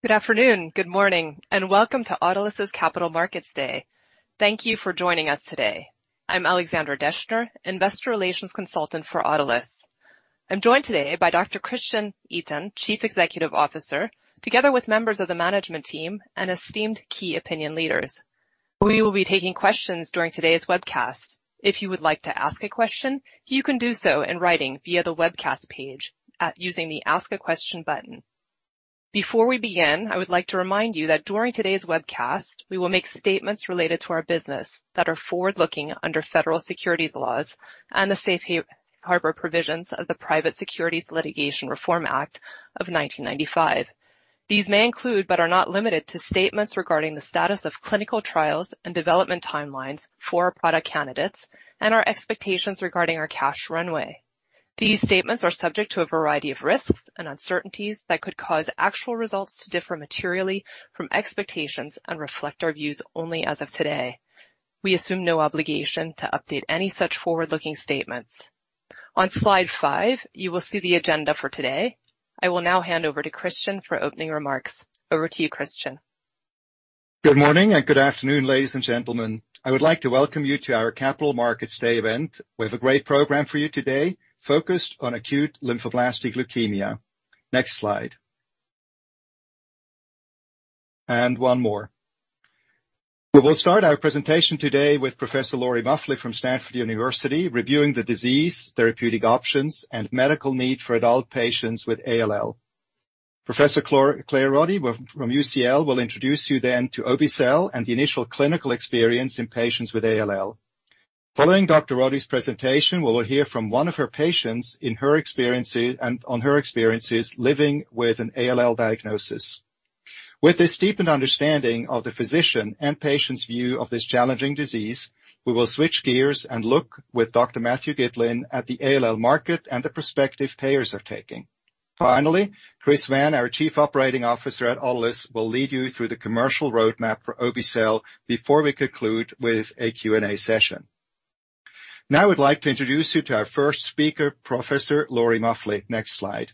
Good afternoon, good morning, and welcome to Autolus's Capital Markets Day. Thank you for joining us today. I'm Alexandra Deschner, Investor Relations Consultant for Autolus. I'm joined today by Dr. Christian Itin, Chief Executive Officer, together with members of the management team and esteemed key opinion leaders. We will be taking questions during today's webcast. If you would like to ask a question, you can do so in writing via the webcast page at using the Ask a Question button. Before we begin, I would like to remind you that during today's webcast, we will make statements related to our business that are forward-looking under federal securities laws and the safe harbor provisions of the Private Securities Litigation Reform Act of 1995. These may include, but are not limited to, statements regarding the status of clinical trials and development timelines for our product candidates and our expectations regarding our cash runway. These statements are subject to a variety of risks and uncertainties that could cause actual results to differ materially from expectations and reflect our views only as of today. We assume no obligation to update any such forward-looking statements. On slide 5, you will see the agenda for today. I will now hand over to Christian for opening remarks. Over to you, Christian. Good morning and good afternoon, ladies and gentlemen. I would like to welcome you to our Capital Markets Day event. We have a great program for you today focused on acute lymphoblastic leukemia. Next slide. One more. We will start our presentation today with Professor Lori Muffly from Stanford University, reviewing the disease, therapeutic options, and medical need for adult patients with ALL. Professor Claire Roddie from UCL will introduce you then to obe-cel and the initial clinical experience in patients with ALL. Following Dr. Roddie's presentation, we will hear from one of her patients on her experiences living with an ALL diagnosis. With this deepened understanding of the physician and patient's view of this challenging disease, we will switch gears and look with Dr. Matthew Gitlin at the ALL market and the prospective payers are taking. Finally, Chris Vann, our Chief Operating Officer at Autolus, will lead you through the commercial roadmap for obe-cel before we conclude with a Q&A session. Now, I would like to introduce you to our first speaker, Professor Lori Muffly. Next slide.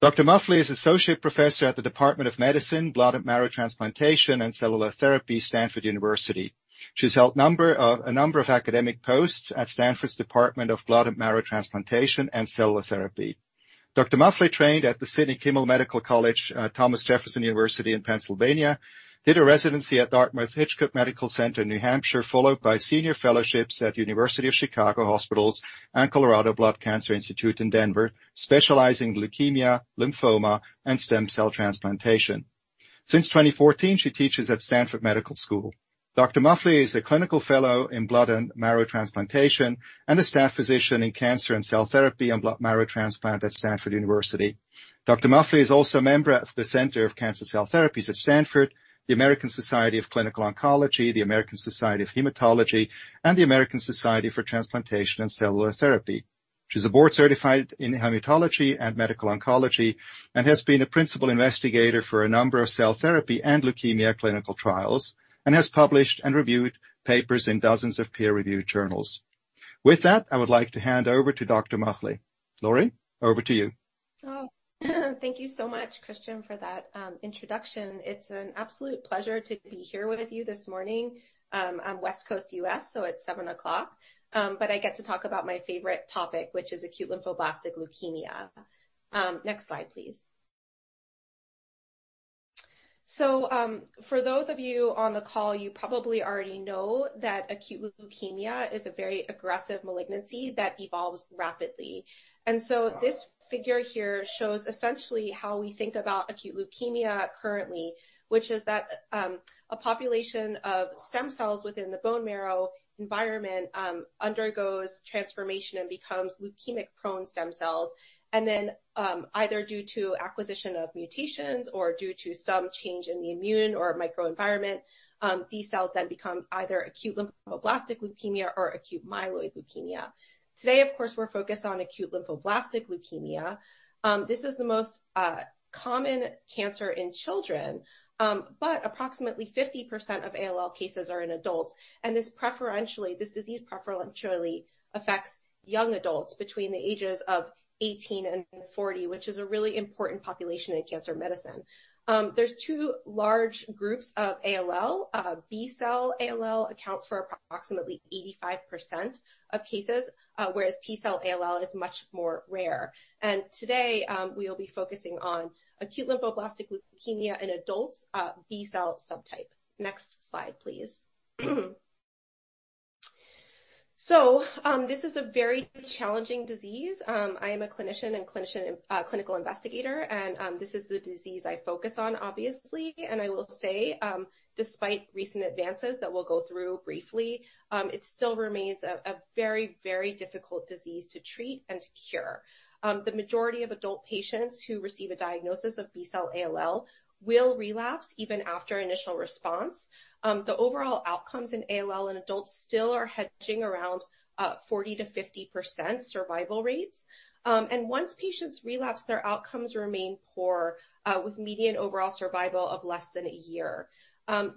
Dr. Muffly is Associate Professor at the Department of Medicine, Blood and Marrow Transplantation and Cellular Therapy, Stanford University. She's held a number of academic posts at Stanford's Department of Blood and Marrow Transplantation and Cellular Therapy. Dr. Muffly trained at the Sidney Kimmel Medical College, Thomas Jefferson University in Pennsylvania, did a residency at Dartmouth Hitchcock Medical Center, New Hampshire, followed by senior fellowships at University of Chicago Medical Center and Colorado Blood Cancer Institute in Denver, specializing in leukemia, lymphoma, and stem cell transplantation. Since 2014, she teaches at Stanford University School of Medicine. Dr. Lori Muffly is a clinical fellow in blood and marrow transplantation and a staff physician in cancer and cell therapy and blood marrow transplant at Stanford University. Dr. Muffly is also a member of the Center for Cancer Cell Therapy at Stanford, the American Society of Clinical Oncology, the American Society of Hematology, and the American Society for Transplantation and Cellular Therapy. She's a board-certified in hematology and medical oncology and has been a principal investigator for a number of cell therapy and leukemia clinical trials and has published and reviewed papers in dozens of peer-review journals. With that, I would like to hand over to Dr. Muffly. Lori, over to you. Thank you so much, Christian, for that introduction. It's an absolute pleasure to be here with you this morning. I'm West Coast, US, so it's 7:00, but I get to talk about my favorite topic, which is acute lymphoblastic leukemia. Next slide, please. For those of you on the call, you probably already know that acute leukemia is a very aggressive malignancy that evolves rapidly. This figure here shows essentially how we think about acute leukemia currently, which is that a population of stem cells within the bone marrow environment undergoes transformation and becomes leukemic-prone stem cells, and then, either due to acquisition of mutations or due to some change in the immune or microenvironment, these cells then become either acute lymphoblastic leukemia or acute myeloid leukemia. Today, of course, we're focused on acute lymphoblastic leukemia. This is the most common cancer in children, approximately 50% of ALL cases are in adults, this disease preferentially affects young adults between the ages of 18 and 40, which is a really important population in cancer medicine. There's 2 large groups of ALL. B-cell ALL accounts for approximately 85% of cases, whereas T-cell ALL is much more rare. Today, we will be focusing on acute lymphoblastic leukemia in adults, B-cell subtype. Next slide, please. This is a very challenging disease. I am a clinician and clinical investigator, and this is the disease I focus on, obviously. I will say, despite recent advances that we'll go through briefly, it still remains a very, very difficult disease to treat and cure. The majority of adult patients who receive a diagnosis of B-cell ALL will relapse even after initial response. The overall outcomes in ALL in adults still are hedging around 40%-50% survival rates. And once patients relapse, their outcomes remain poor, with median overall survival of less than 1 year.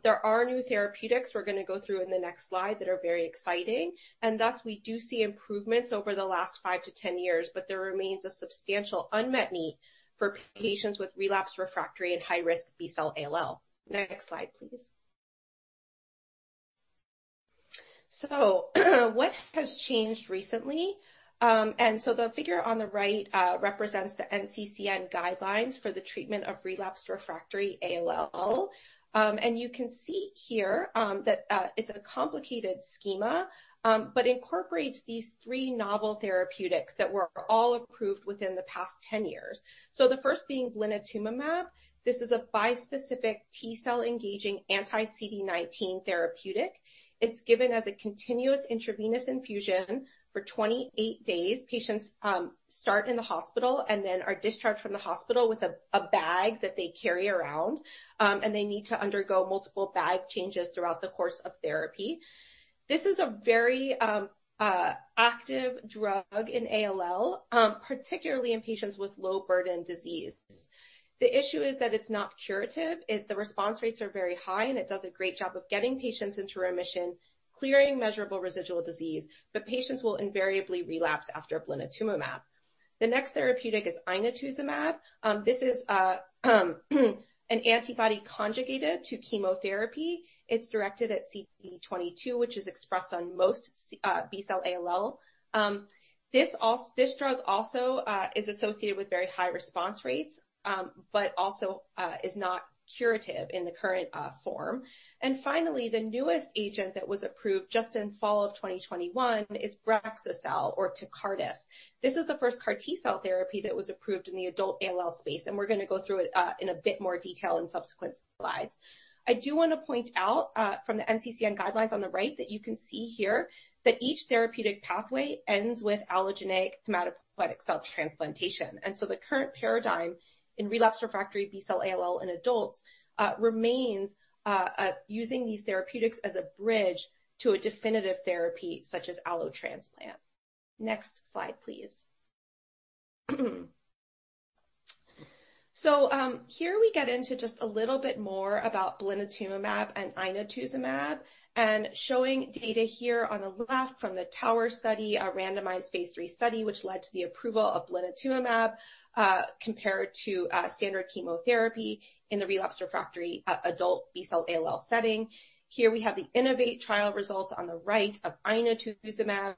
There are new therapeutics we're gonna go through in the next slide that are very exciting, and thus we do see improvements over the last 5 years-10 years, but there remains a substantial unmet need for patients with relapsed, refractory, and high-risk B-cell ALL. Next slide, please. What has changed recently? The figure on the right represents the NCCN guidelines for the treatment of relapsed refractory ALL. You can see here that it's a complicated schema, but incorporates these three novel therapeutics that were all approved within the past 10 years. The first being blinatumomab. This is a bispecific T-cell engaging anti-CD19 therapeutic. It's given as a continuous intravenous infusion for 28 days. Patients start in the hospital and then are discharged from the hospital with a bag that they carry around, and they need to undergo multiple bag changes throughout the course of therapy. This is a very active drug in ALL, particularly in patients with low-burden disease. The issue is that it's not curative. The response rates are very high, and it does a great job of getting patients into remission, clearing measurable residual disease, but patients will invariably relapse after blinatumomab. The next therapeutic is inotuzumab. This is an antibody conjugated to chemotherapy. It's directed at CD22, which is expressed on most B-cell ALL. This drug also is associated with very high response rates, but also is not curative in the current form. Finally, the newest agent that was approved just in fall of 2021 is brexucab or Tecartus. This is the first CAR T-cell therapy that was approved in the adult ALL space. We're gonna go through it in a bit more detail in subsequent slides. I do wanna point out from the NCCN guidelines on the right that you can see here that each therapeutic pathway ends with allogeneic hematopoietic cell transplantation. The current paradigm in relapsed refractory B-cell ALL in adults, remains using these therapeutics as a bridge to a definitive therapy, such as allo transplant. Next slide, please. Here we get into just a little bit more about blinatumomab and inotuzumab, and showing data here on the left from the TOWER study, a randomized phase 3 study, which led to the approval of blinatumomab, compared to standard chemotherapy in the relapsed refractory adult B-cell ALL setting. Here we have the INO-VATE trial results on the right of inotuzumab.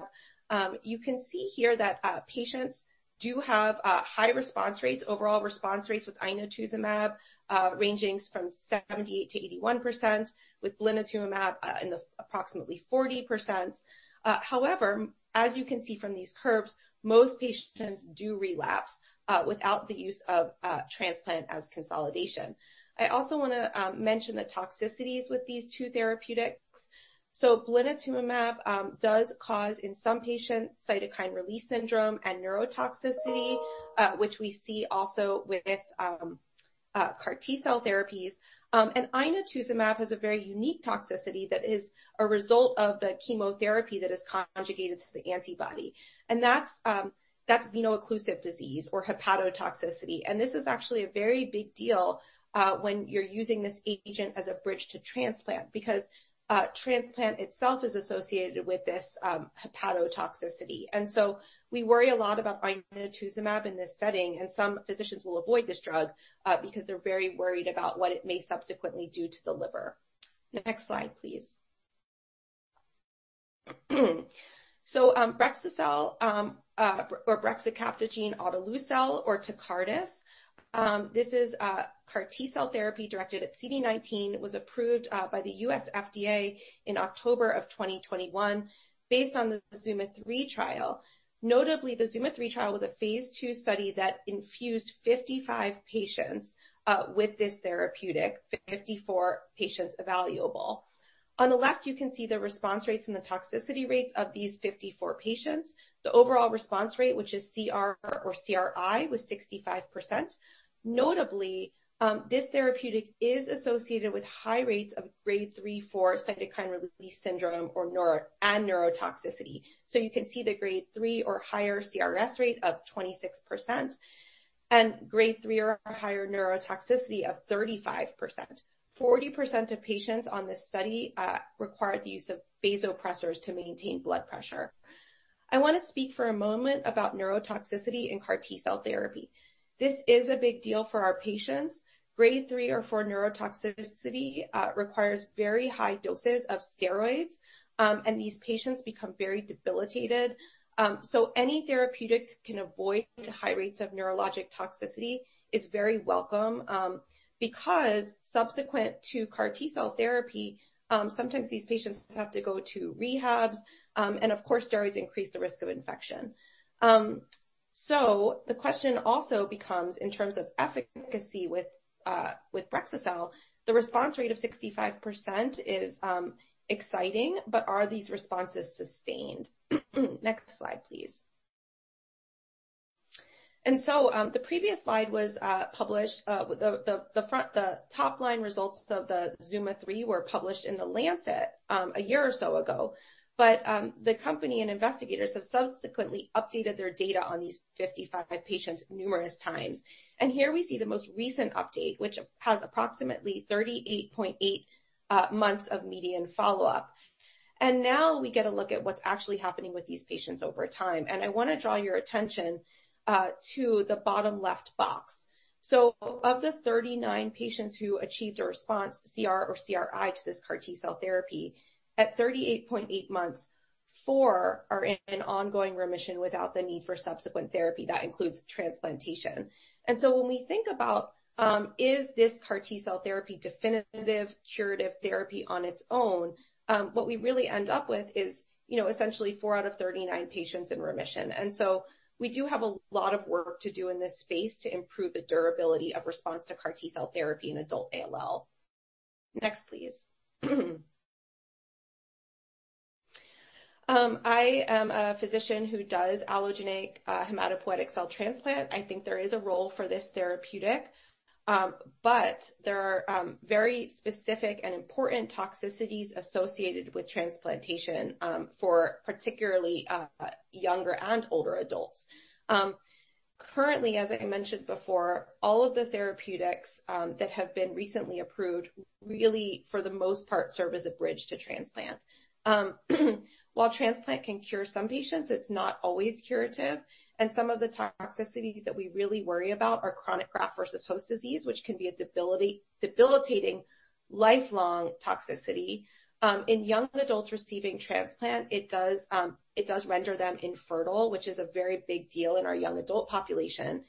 You can see here that patients do have high response rates. Overall response rates with inotuzumab, ranging from 78%-81%, with blinatumomab, in the approximately 40%. However, as you can see from these curves, most patients do relapse without the use of transplant as consolidation. I also wanna mention the toxicities with these two therapeutics. Blinatumomab does cause, in some patients, cytokine release syndrome and neurotoxicity, which we see also with CAR T-cell therapies. Inotuzumab has a very unique toxicity that is a result of the chemotherapy that is conjugated to the antibody, and that's veno-occlusive disease or hepatotoxicity. This is actually a very big deal when you're using this agent as a bridge to transplant, because a transplant itself is associated with this hepatotoxicity. We worry a lot about inotuzumab in this setting, and some physicians will avoid this drug because they're very worried about what it may subsequently do to the liver. The next slide, please. Brexucab or brexucabtagene autoleucel or Tecartus, this is a CAR T-cell therapy directed at CD19. It was approved by the US FDA in October of 2021 based on the ZUMA-3 trial. Notably, the ZUMA-3 trial was a phase 2 study that infused 55 patients with this therapeutic, 54 patients evaluable. On the left, you can see the response rates and the toxicity rates of these 54 patients. The overall response rate, which is CR or CRI, was 65%. Notably, this therapeutic is associated with high rates of grade 3/4 cytokine release syndrome and neurotoxicity. You can see the grade 3 or higher CRS rate of 26% and grade 3 or higher neurotoxicity of 35%. 40% of patients on this study required the use of vasopressors to maintain blood pressure. I wanna speak for a moment about neurotoxicity in CAR T-cell therapy. This is a big deal for our patients. Grade 3 or 4 neurotoxicity requires very high doses of steroids, and these patients become very debilitated. Any therapeutic can avoid high rates of neurologic toxicity is very welcome, because subsequent to CAR T-cell therapy, sometimes these patients have to go to rehabs, and of course, steroids increase the risk of infection. The question also becomes in terms of efficacy with brexucab. The response rate of 65% is exciting, but are these responses sustained? Next slide, please. The previous slide was published, the top-line results of the ZUMA-3 were published in The Lancet a year or so ago. The company and investigators have subsequently updated their data on these 55 patients numerous times. Here we see the most recent update, which has approximately 38.8 months of median follow-up. Now we get a look at what's actually happening with these patients over time. I want to draw your attention to the bottom left box. Of the 39 patients who achieved a response, CR or CRI, to this CAR T-cell therapy, at 38.8 months. Four are in an ongoing remission without the need for subsequent therapy. That includes transplantation. When we think about, is this CAR T-cell therapy definitive curative therapy on its own, what we really end up with is, you know, essentially 4 out of 39 patients in remission. We do have a lot of work to do in this space to improve the durability of response to CAR T-cell therapy in adult ALL. Next, please. I am a physician who does allogeneic, hematopoietic cell transplant. I think there is a role for this therapeutic, but there are very specific and important toxicities associated with transplantation, for particularly younger and older adults. Currently, as I mentioned before, all of the therapeutics that have been recently approved really, for the most part, serve as a bridge to transplant. While transplant can cure some patients, it's not always curative, and some of the toxicities that we really worry about are chronic graft versus host disease, which can be a debilitating lifelong toxicity. In young adults receiving transplant, it does render them infertile, which is a very big deal in our young adult population.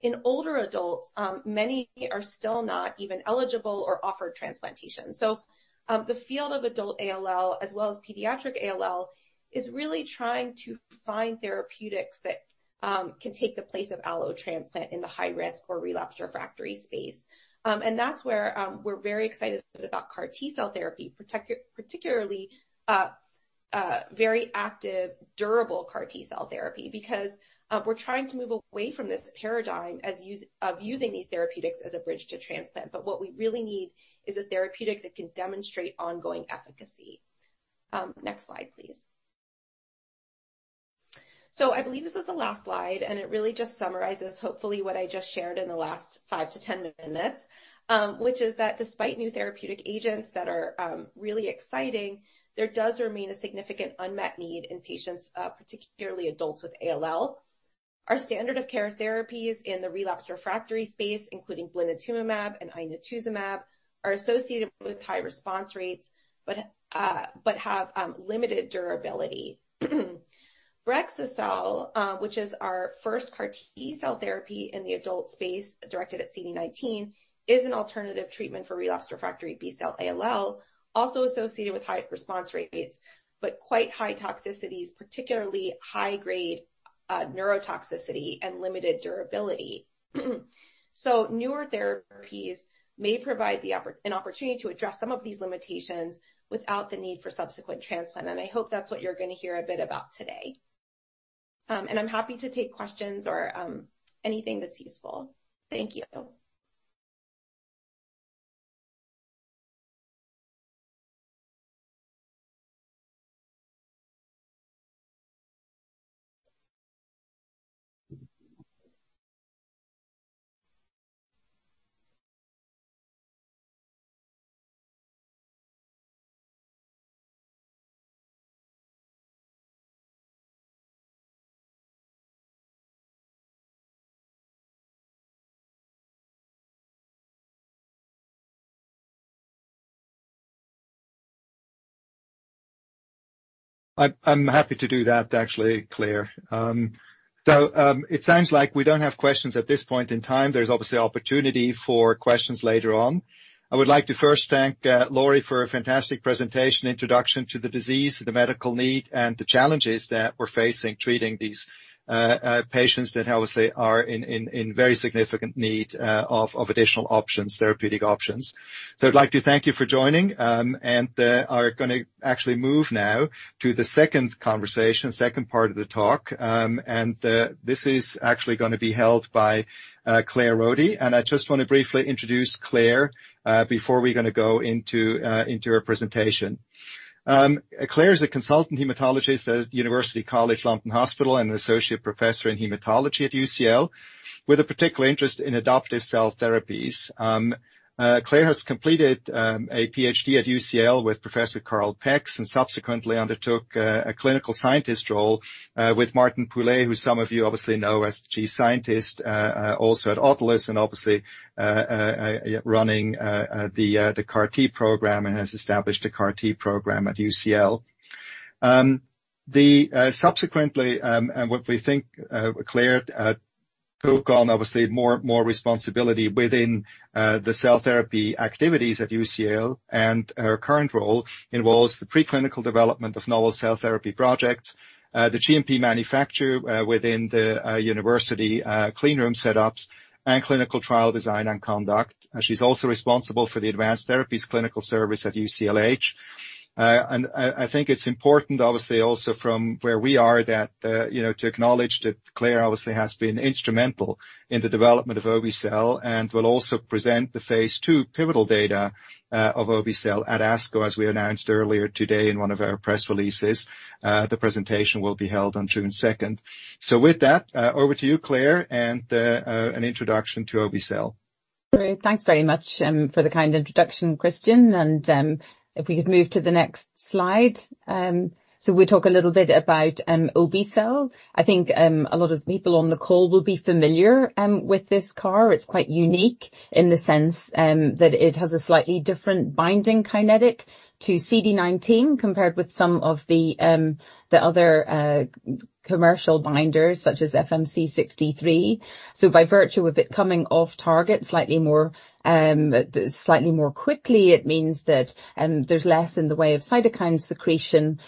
In older adults, many are still not even eligible or offered transplantation. The field of adult ALL, as well as pediatric ALL, is really trying to find therapeutics that can take the place of allo transplant in the high risk or relapsed refractory space. That's where we're very excited about CAR T-cell therapy, particularly very active, durable CAR T-cell therapy, because we're trying to move away from this paradigm of using these therapeutics as a bridge to transplant. What we really need is a therapeutic that can demonstrate ongoing efficacy. Next slide, please. I believe this is the last slide, and it really just summarizes, hopefully, what I just shared in the last 5-10 minutes, which is that despite new therapeutic agents that are really exciting, there does remain a significant unmet need in patients, particularly adults with ALL. Our standard of care therapies in the relapsed refractory space, including blinatumab and inotuzumab, are associated with high response rates but have limited durability. Brexucab, which is our first CAR T-cell therapy in the adult space directed at CD19, is an alternative treatment for relapsed refractory B-cell ALL, also associated with high response rates, but quite high toxicities, particularly high-grade neurotoxicity and limited durability. Newer therapies may provide an opportunity to address some of these limitations without the need for subsequent transplant, and I hope that's what you're gonna hear a bit about today. I'm happy to take questions or anything that's useful. Thank you. I'm happy to do that, actually, Claire. It sounds like we don't have questions at this point in time. There's obviously opportunity for questions later on. I would like to first thank Lori for a fantastic presentation, introduction to the disease, the medical need, and the challenges that we're facing treating these patients that obviously are in very significant need of additional options, therapeutic options. I'd like to thank you for joining, and are gonna actually move now to the second conversation, second part of the talk. This is actually gonna be held by Claire Roddie. I just wanna briefly introduce Claire before we gonna go into her presentation. Claire is a Consultant Hematologist at University College Hospital and an Associate Professor in hematology at UCL with a particular interest in adoptive cell therapies. Claire has completed a PhD at UCL with Professor Karl Peggs and subsequently undertook a clinical scientist role with Martin Pule, who some of you obviously know as the Chief Scientific Officer also at Autolus and obviously running the CAR T program and has established a CAR T program at UCL. Subsequently, and what we think Claiire took on obviously more responsibility within the cell therapy activities at UCL, and her current role involves the preclinical development of novel cell therapy projects, the GMP manufacture within the university clean room setups, and clinical trial design and conduct. She's also responsible for the advanced therapies clinical service at UCLH. I think it's important, obviously, also from where we are that, you know, to acknowledge that Claire obviously has been instrumental in the development of obe-cel and will also present the phase 2 pivotal data of obe-cel at ASCO, as we announced earlier today in one of our press releases. The presentation will be held on June 2. With that, over to you, Claire, and an introduction to obe-cel. Great. Thanks very much for the kind introduction, Christian. If we could move to the next slide. We'll talk a little bit about obe-cel. I think a lot of people on the call will be familiar with this CAR. It's quite unique in the sense that it has a slightly different binding kinetic to CD19 compared with some of the other commercial binders such as FMC63. By virtue of it coming off target slightly more, slightly more quickly, it means that there's less in the way of cytokine secretion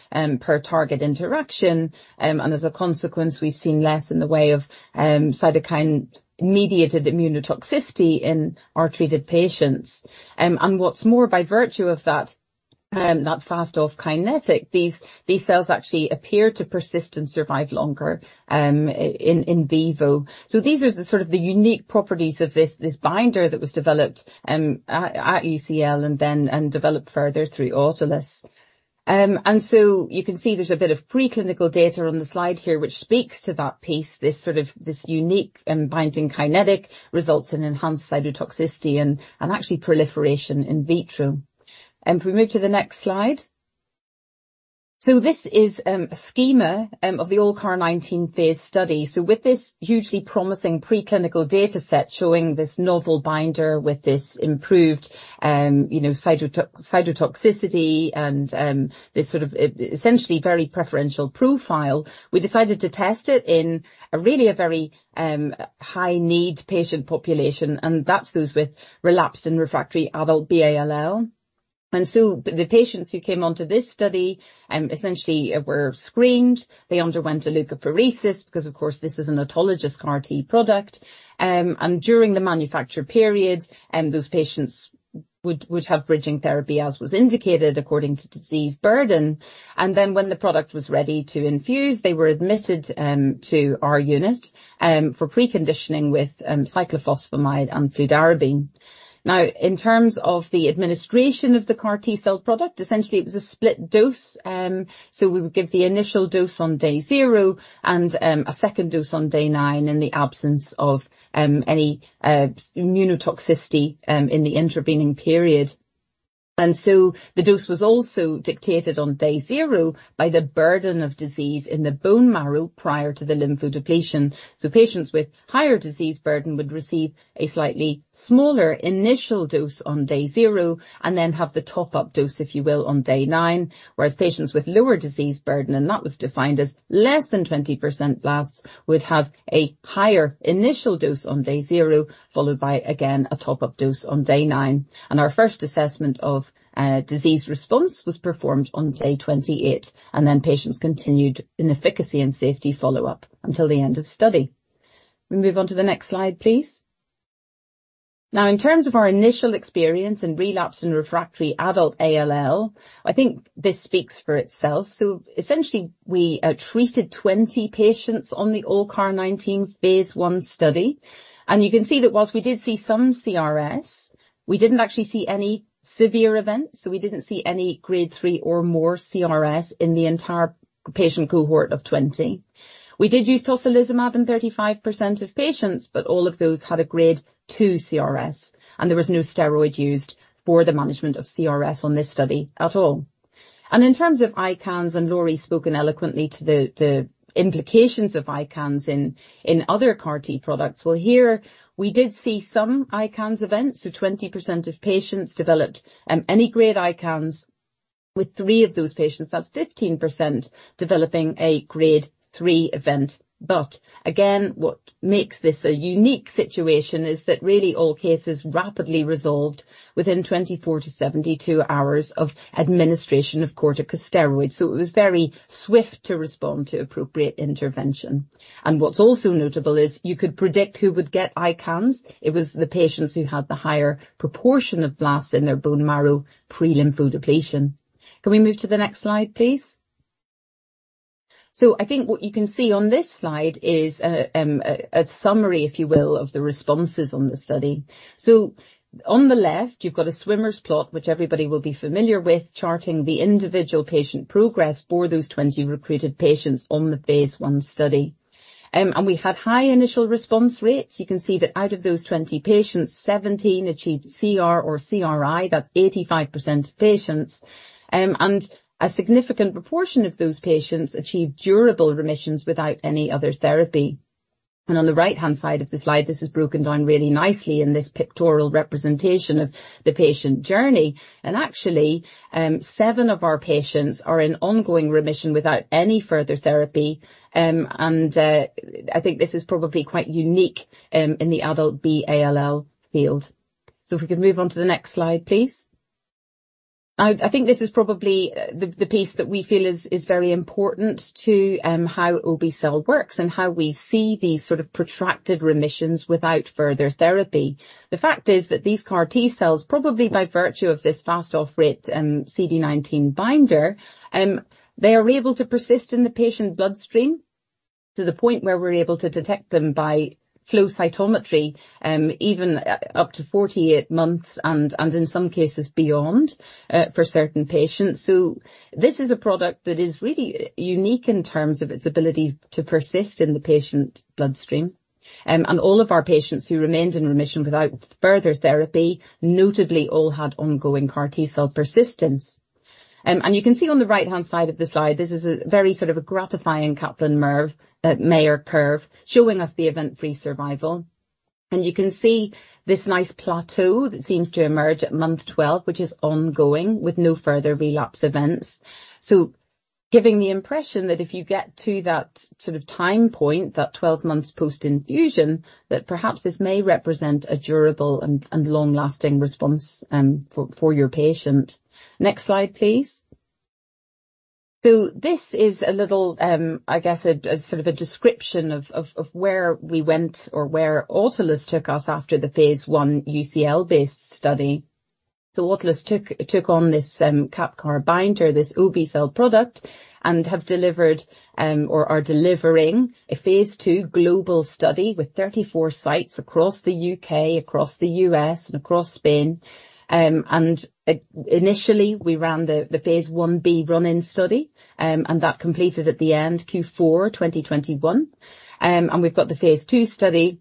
per target interaction. As a consequence, we've seen less in the way of cytokine-mediated immunotoxicity in our treated patients. What's more, by virtue of that fast-off kinetics, these cells actually appear to persist and survive longer in vivo. These are the sort of the unique properties of this binder that was developed at UCL and then developed further through Autolus. You can see there's a bit of free clinical data on the slide here which speaks to that piece, this sort of, this unique binding kinetic results in enhanced cytotoxicity and actually proliferation in vitro. If we move to the next slide. This is a schema of the ALLCAR19 phase study. With this hugely promising preclinical data set showing this novel binder with this improved, you know, cytotoxicity and essentially very preferential profile, we decided to test it in a really a very high need patient population, and that's those with relapsed and refractory adult ALL. The patients who came onto this study essentially were screened. They underwent a leukapheresis because of course this is an autologous CAR-T product. During the manufacture period, those patients would have bridging therapy as was indicated according to disease burden. When the product was ready to infuse, they were admitted to our unit for preconditioning with cyclophosphamide and fludarabine. In terms of the administration of the CAR-T cell product, essentially it was a split dose. We would give the initial dose on day zero and a second dose on day nine in the absence of any immunotoxicity in the intervening period. The dose was also dictated on day zero by the burden of disease in the bone marrow prior to the lymphodepletion. Patients with higher disease burden would receive a slightly smaller initial dose on day zero and then have the top-up dose, if you will, on day nine. Whereas patients with lower disease burden, and that was defined as less than 20% blasts, would have a higher initial dose on day zero, followed by again a top-up dose on day nine. Our first assessment of disease response was performed on day 28, and then patients continued in efficacy and safety follow-up until the end of study. We move on to the next slide, please. In terms of our initial experience in relapsed and refractory adult ALL, I think this speaks for itself. Essentially, we treated 20 patients on the ALLCAR19 phase 1 study, and you can see that whilst we did see some CRS, we didn't actually see any severe events. We didn't see any grade 3 or more CRS in the entire patient cohort of 20. We did use tocilizumab in 35% of patients, but all of those had a grade 2 CRS, and there was no steroid used for the management of CRS on this study at all. In terms of ICANS, and Laurie's spoken eloquently to the implications of ICANS in other CAR-T products. Well, here we did see some ICANS events. 20% of patients developed any grade ICANS with 3 of those patients, that's 15% developing a grade 3 event. Again, what makes this a unique situation is that really all cases rapidly resolved within 24-72 hours of administration of corticosteroids. It was very swift to respond to appropriate intervention. What's also notable is you could predict who would get ICANS. It was the patients who had the higher proportion of blasts in their bone marrow pre-lymphodepletion. Can we move to the next slide, please? I think what you can see on this slide is a summary, if you will, of the responses on the study. On the left, you've got a swimmer plot which everybody will be familiar with, charting the individual patient progress for those 20 recruited patients on the phase 1 study. We had high initial response rates. You can see that out of those 20 patients, 17 achieved CR or CRI. That's 85% of patients. A significant proportion of those patients achieved durable remissions without any other therapy. On the right-hand side of the slide, this is broken down really nicely in this pictorial representation of the patient journey. Actually, 7 of our patients are in ongoing remission without any further therapy. I think this is probably quite unique in the adult B-ALL field. If we could move on to the next slide, please. I think this is probably the piece that we feel is very important to how obe-cel works and how we see these sort of protracted remissions without further therapy. The fact is that these CAR T-cells, probably by virtue of this fast off-rate, CD19 binder, they are able to persist in the patient bloodstream. To the point where we're able to detect them by flow cytometry, even up to 48 months and in some cases beyond, for certain patients. This is a product that is really unique in terms of its ability to persist in the patient bloodstream. All of our patients who remained in remission without further therapy, notably all had ongoing CAR T-cell persistence. You can see on the right-hand side of the slide, this is a very sort of a gratifying Kaplan-Meier curve showing us the event-free survival. You can see this nice plateau that seems to emerge at month 12, which is ongoing, with no further relapse events. Giving the impression that if you get to that sort of time point, that 12 months post-infusion, that perhaps this may represent a durable and long-lasting response for your patient. Next slide, please. This is a little, I guess a sort of a description of where we went or where Autolus took us after the phase 1 UCL-based study. Autolus took on this CAR binder, this obe-cel product, and have delivered or are delivering a phase 2 global study with 34 sites across the UK, across the US, and across Spain. Initially, we ran the phase 1b run-in study, and that completed at the end Q4 2021. We've got the phase 2 study,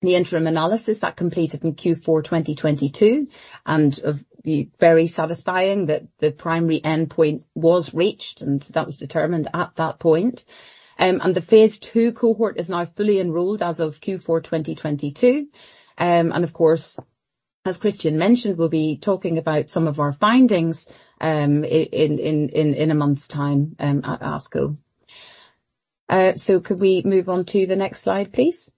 the interim analysis that completed in Q4 2022, very satisfying that the primary endpoint was reached, and that was determined at that point. The phase 2 cohort is now fully enrolled as of Q4 2022. Of course, as Christian Itin mentioned, we'll be talking about some of our findings in a month's time at ASCO. Could we move on to the next slide, please.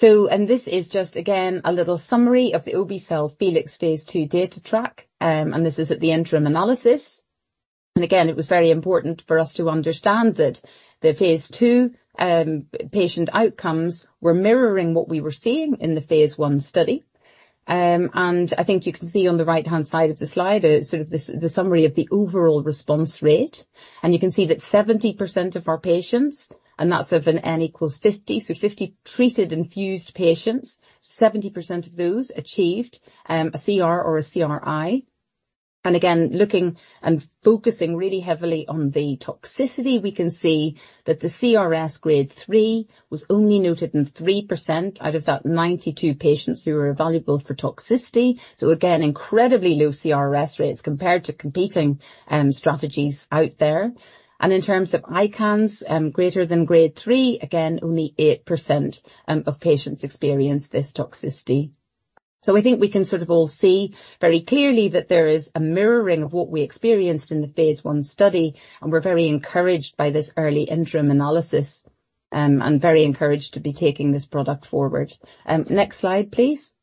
This is just again, a little summary of the obe-cel FELIX phase 2 data track. This is at the interim analysis. Again, it was very important for us to understand that the phase 2 patient outcomes were mirroring what we were seeing in the phase 1 study. I think you can see on the right-hand side of the slide, sort of this, the summary of the overall response rate. You can see that 70% of our patients, and that's of an N = 50, so 50 treated infused patients, 70% of those achieved a CR or a CRI. Again, looking and focusing really heavily on the toxicity, we can see that the CRS grade 3 was only noted in 3% out of that 92 patients who were evaluable for toxicity. Again, incredibly low CRS rates compared to competing strategies out there. In terms of ICANS greater than grade 3, again, only 8% of patients experienced this toxicity. I think we can sort of all see very clearly that there is a mirroring of what we experienced in the phase 1 study, and we're very encouraged by this early interim analysis, and very encouraged to be taking this product forward. Next slide, please.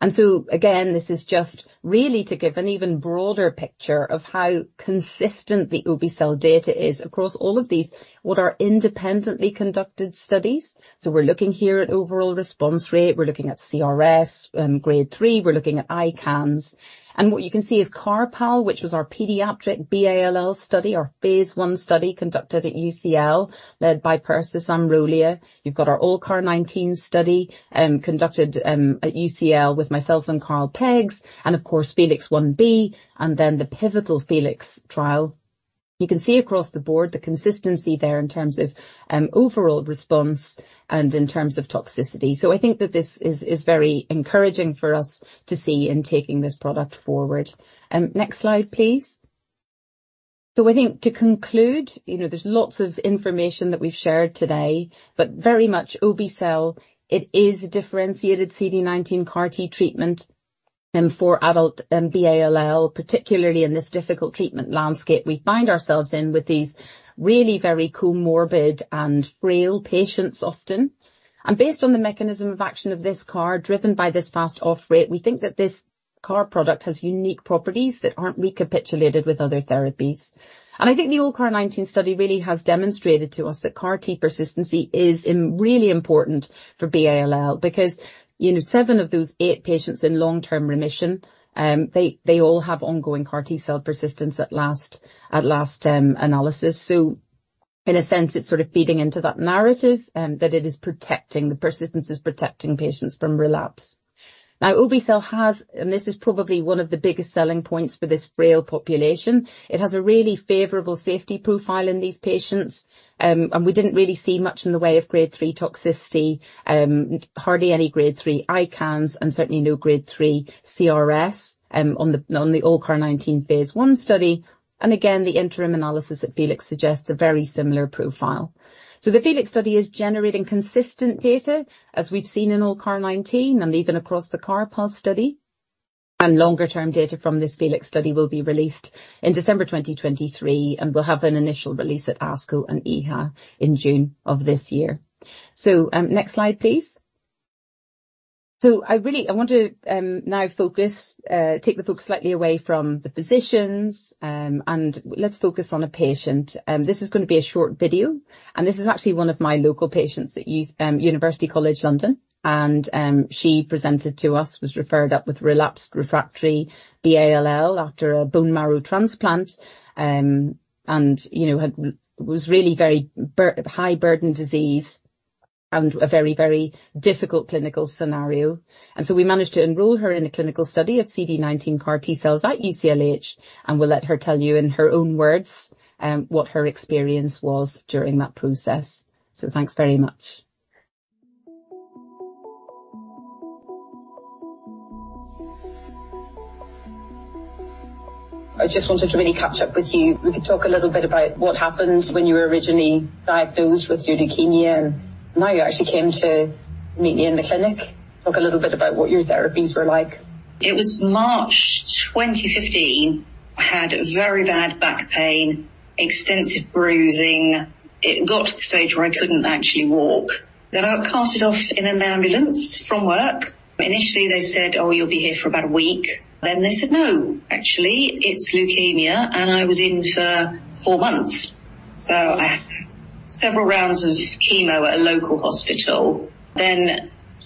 Again, this is just really to give an even broader picture of how consistent the obe-cel data is across all of these, what are independently conducted studies. We're looking here at overall response rate, we're looking at CRS, grade 3, we're looking at ICANS. What you can see is CARPALL, which was our pediatric B-ALL study, our phase 1 study conducted at UCL, led by Persis Amrolia. You've got our ALLCAR19 study, conducted at UCL with myself and Karl Peggs, and of course, FELIX 1b, and then the pivotal FELIX trial. You can see across the board the consistency there in terms of overall response and in terms of toxicity. I think that this is very encouraging for us to see in taking this product forward. Next slide, please. I think to conclude, you know, there's lots of information that we've shared today, but very much obe-cel, it is a differentiated CD19 CAR T treatment for adult and B-ALL, particularly in this difficult treatment landscape we find ourselves in with these really very comorbid and frail patients often. Based on the mechanism of action of this CAR, driven by this fast off-rate, we think that this CAR product has unique properties that aren't recapitulated with other therapies. I think the ALLCAR19 study really has demonstrated to us that CAR T persistency is really important for B-ALL because, you know, 7 of those 8 patients in long-term remission, they all have ongoing CAR T-cell persistence at last analysis. In a sense, it's sort of feeding into that narrative that the persistence is protecting patients from relapse. obe-cel has, and this is probably one of the biggest selling points for this frail population. It has a really favorable safety profile in these patients. We didn't really see much in the way of grade three toxicity, hardly any grade three ICANS, and certainly no grade three CRS on the ALLCAR19 phase 1 study. Again, the interim analysis at FELIX suggests a very similar profile. The FELIX study is generating consistent data as we've seen in ALLCAR19 and even across the CARPALL study. Longer-term data from this FELIX study will be released in December 2023, and we'll have an initial release at ASCO and EHA in June of this year. Next slide, please. I really want to now focus, take the focus slightly away from the physicians, and let's focus on a patient. This is gonna be a short video, and this is actually one of my local patients at University College London. She presented to us, was referred up with relapsed refractory B-ALL after a bone marrow transplant. And you know, had really very high burden disease. A very, very difficult clinical scenario. So, we managed to enroll her in a clinical study of CD19 CAR T-cells at UCLH, and we'll let her tell you in her own words, what her experience was during that process. Thanks very much. I just wanted to really catch up with you. We could talk a little bit about what happened when you were originally diagnosed with leukemia, and now you actually came to meet me in the clinic. Talk a little bit about what your therapies were like. It was March 2015. I had very bad back pain, extensive bruising. It got to the stage where I couldn't actually walk. I got carted off in an ambulance from work. Initially, they said, "Oh, you'll be here for about a week." They said, "No, actually, it's leukemia," and I was in for 4 months. I had several rounds of chemo at a local hospital.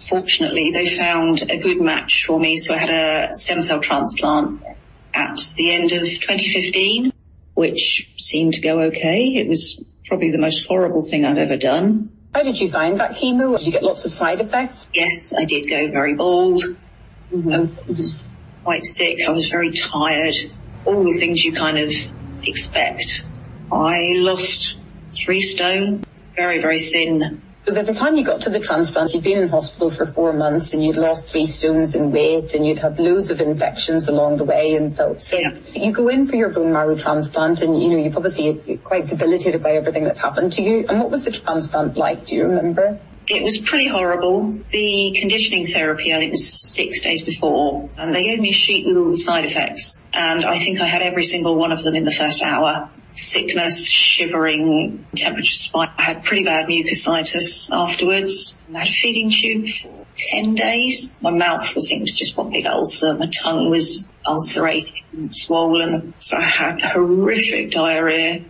Fortunately, they found a good match for me, so I had a stem cell transplant at the end of 2015, which seemed to go okay. It was probably the most horrible thing I've ever done. How did you find that chemo? Did you get lots of side effects? Yes, I did go very bald. Mm-hmm. I was quite sick. I was very tired. All the things you kind of expect. I lost three stone. Very, very thin. By the time you got to the transplant, you'd been in hospital for 4 months, and you'd lost 3 stones in weight, and you'd had loads of infections along the way and felt sick. Yeah. You go in for your bone marrow transplant. You know, you're obviously quite debilitated by everything that's happened to you. What was the transplant like? Do you remember? It was pretty horrible. The conditioning therapy, I think it was six days before, and they gave me a sheet with all the side effects, and I think I had every single one of them in the first hour. Sickness, shivering, temperature spike. I had pretty bad mucositis afterwards, and I had a feeding tube for 10 days. My mouth, I think, was just one big ulcer. My tongue was ulcerated and swollen. I had horrific diarrhea.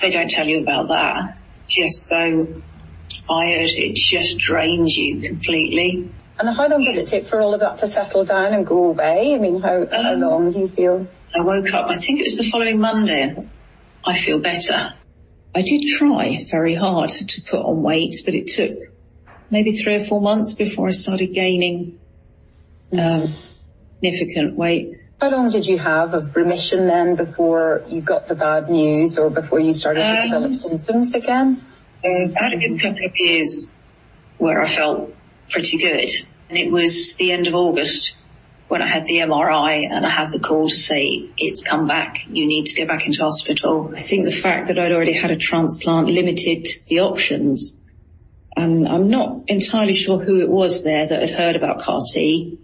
They don't tell you about that. Just so tired. It just drains you completely. How long did it take for all of that to settle down and go away? I mean, how long do you feel... I woke up, I think it was the following Monday, I feel better. I did try very hard to put on weight, it took maybe three or four months before I started gaining significant weight. How long did you have of remission then before you got the bad news or before you started-? Um- to develop symptoms again? I had a good couple of years where I felt pretty good. It was the end of August when I had the MRI, and I had the call to say, "It's come back. You need to go back into hospital." I think the fact that I'd already had a transplant limited the options, I'm not entirely sure who it was there that had heard about CAR T.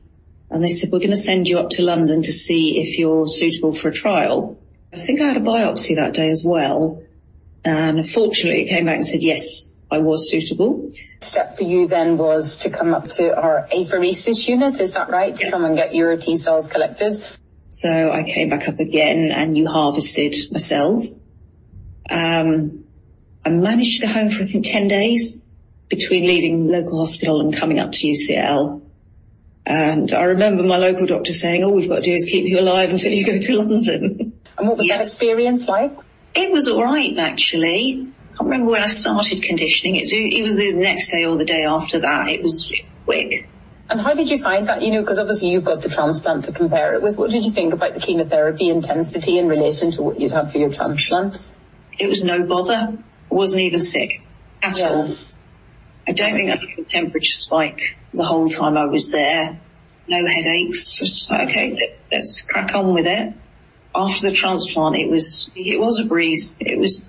They said, "We're gonna send you up to London to see if you're suitable for a trial." I think I had a biopsy that day as well, fortunately, it came back and said, yes, I was suitable. Step for you then was to come up to our apheresis unit. Is that right? Yeah. To come and get your T-cells collected. I came back up again, and you harvested my cells. I managed to go home for, I think, 10 days between leaving local hospital and coming up to UCL. I remember my local doctor saying, "All we've got to do is keep you alive until you go to London. What was that experience like? It was all right, actually. I can't remember when I started conditioning. It was either the next day or the day after that. It was quick. How did you find that? You know, 'cause obviously you've got the transplant to compare it with. What did you think about the chemotherapy intensity in relation to what you'd had for your transplant? It was no bother. I wasn't even sick at all. Yeah. I don't think I had a temperature spike the whole time I was there. No headaches. I was just like, "Okay, let's crack on with it." After the transplant it was, it was a breeze. It was...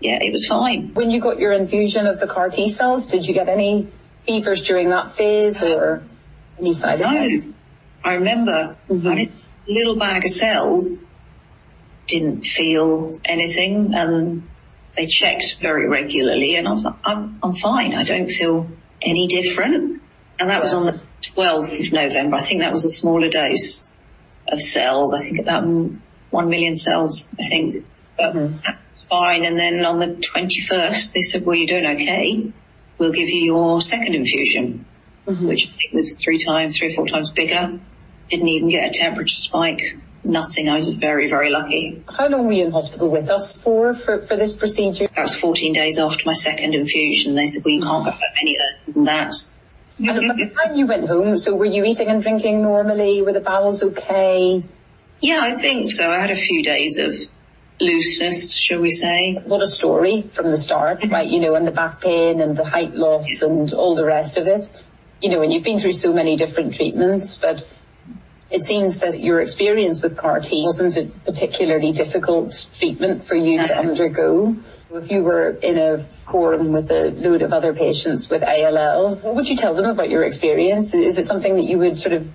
Yeah, it was fine. When you got your infusion of the CAR T-cells, did you get any fevers during that phase or any side effects? No. I remember. Mm-hmm. I had a little bag of cells. Didn't feel anything, and they checked very regularly. I was like, "I'm fine. I don't feel any different. Yeah. That was on the 12th of November. I think that was a smaller dose of cells. I think about 1 million cells, I think. Mm-hmm. That was fine, and then on the 21st, they said, "Well, you're doing okay. We'll give you your 2nd infusion. Mm-hmm. Which I think was 3, 4x bigger. Didn't even get a temperature spike. Nothing. I was very, very lucky. How long were you in hospital with us for this procedure? That was 14 days after my second infusion. They said, "Well, you can't get any better than that. By the time you went home, were you eating and drinking normally? Were the bowels okay? Yeah, I think so. I had a few days of looseness, shall we say. What a story from the start. Right? You know, and the back pain and the height loss- Yeah All the rest of it. You know, and you've been through so many different treatments, but it seems that your experience with CAR-T wasn't a particularly difficult treatment for you to undergo. No. If you were in a forum with a load of other patients with ALL, what would you tell them about your experience? Is it something that you would sort of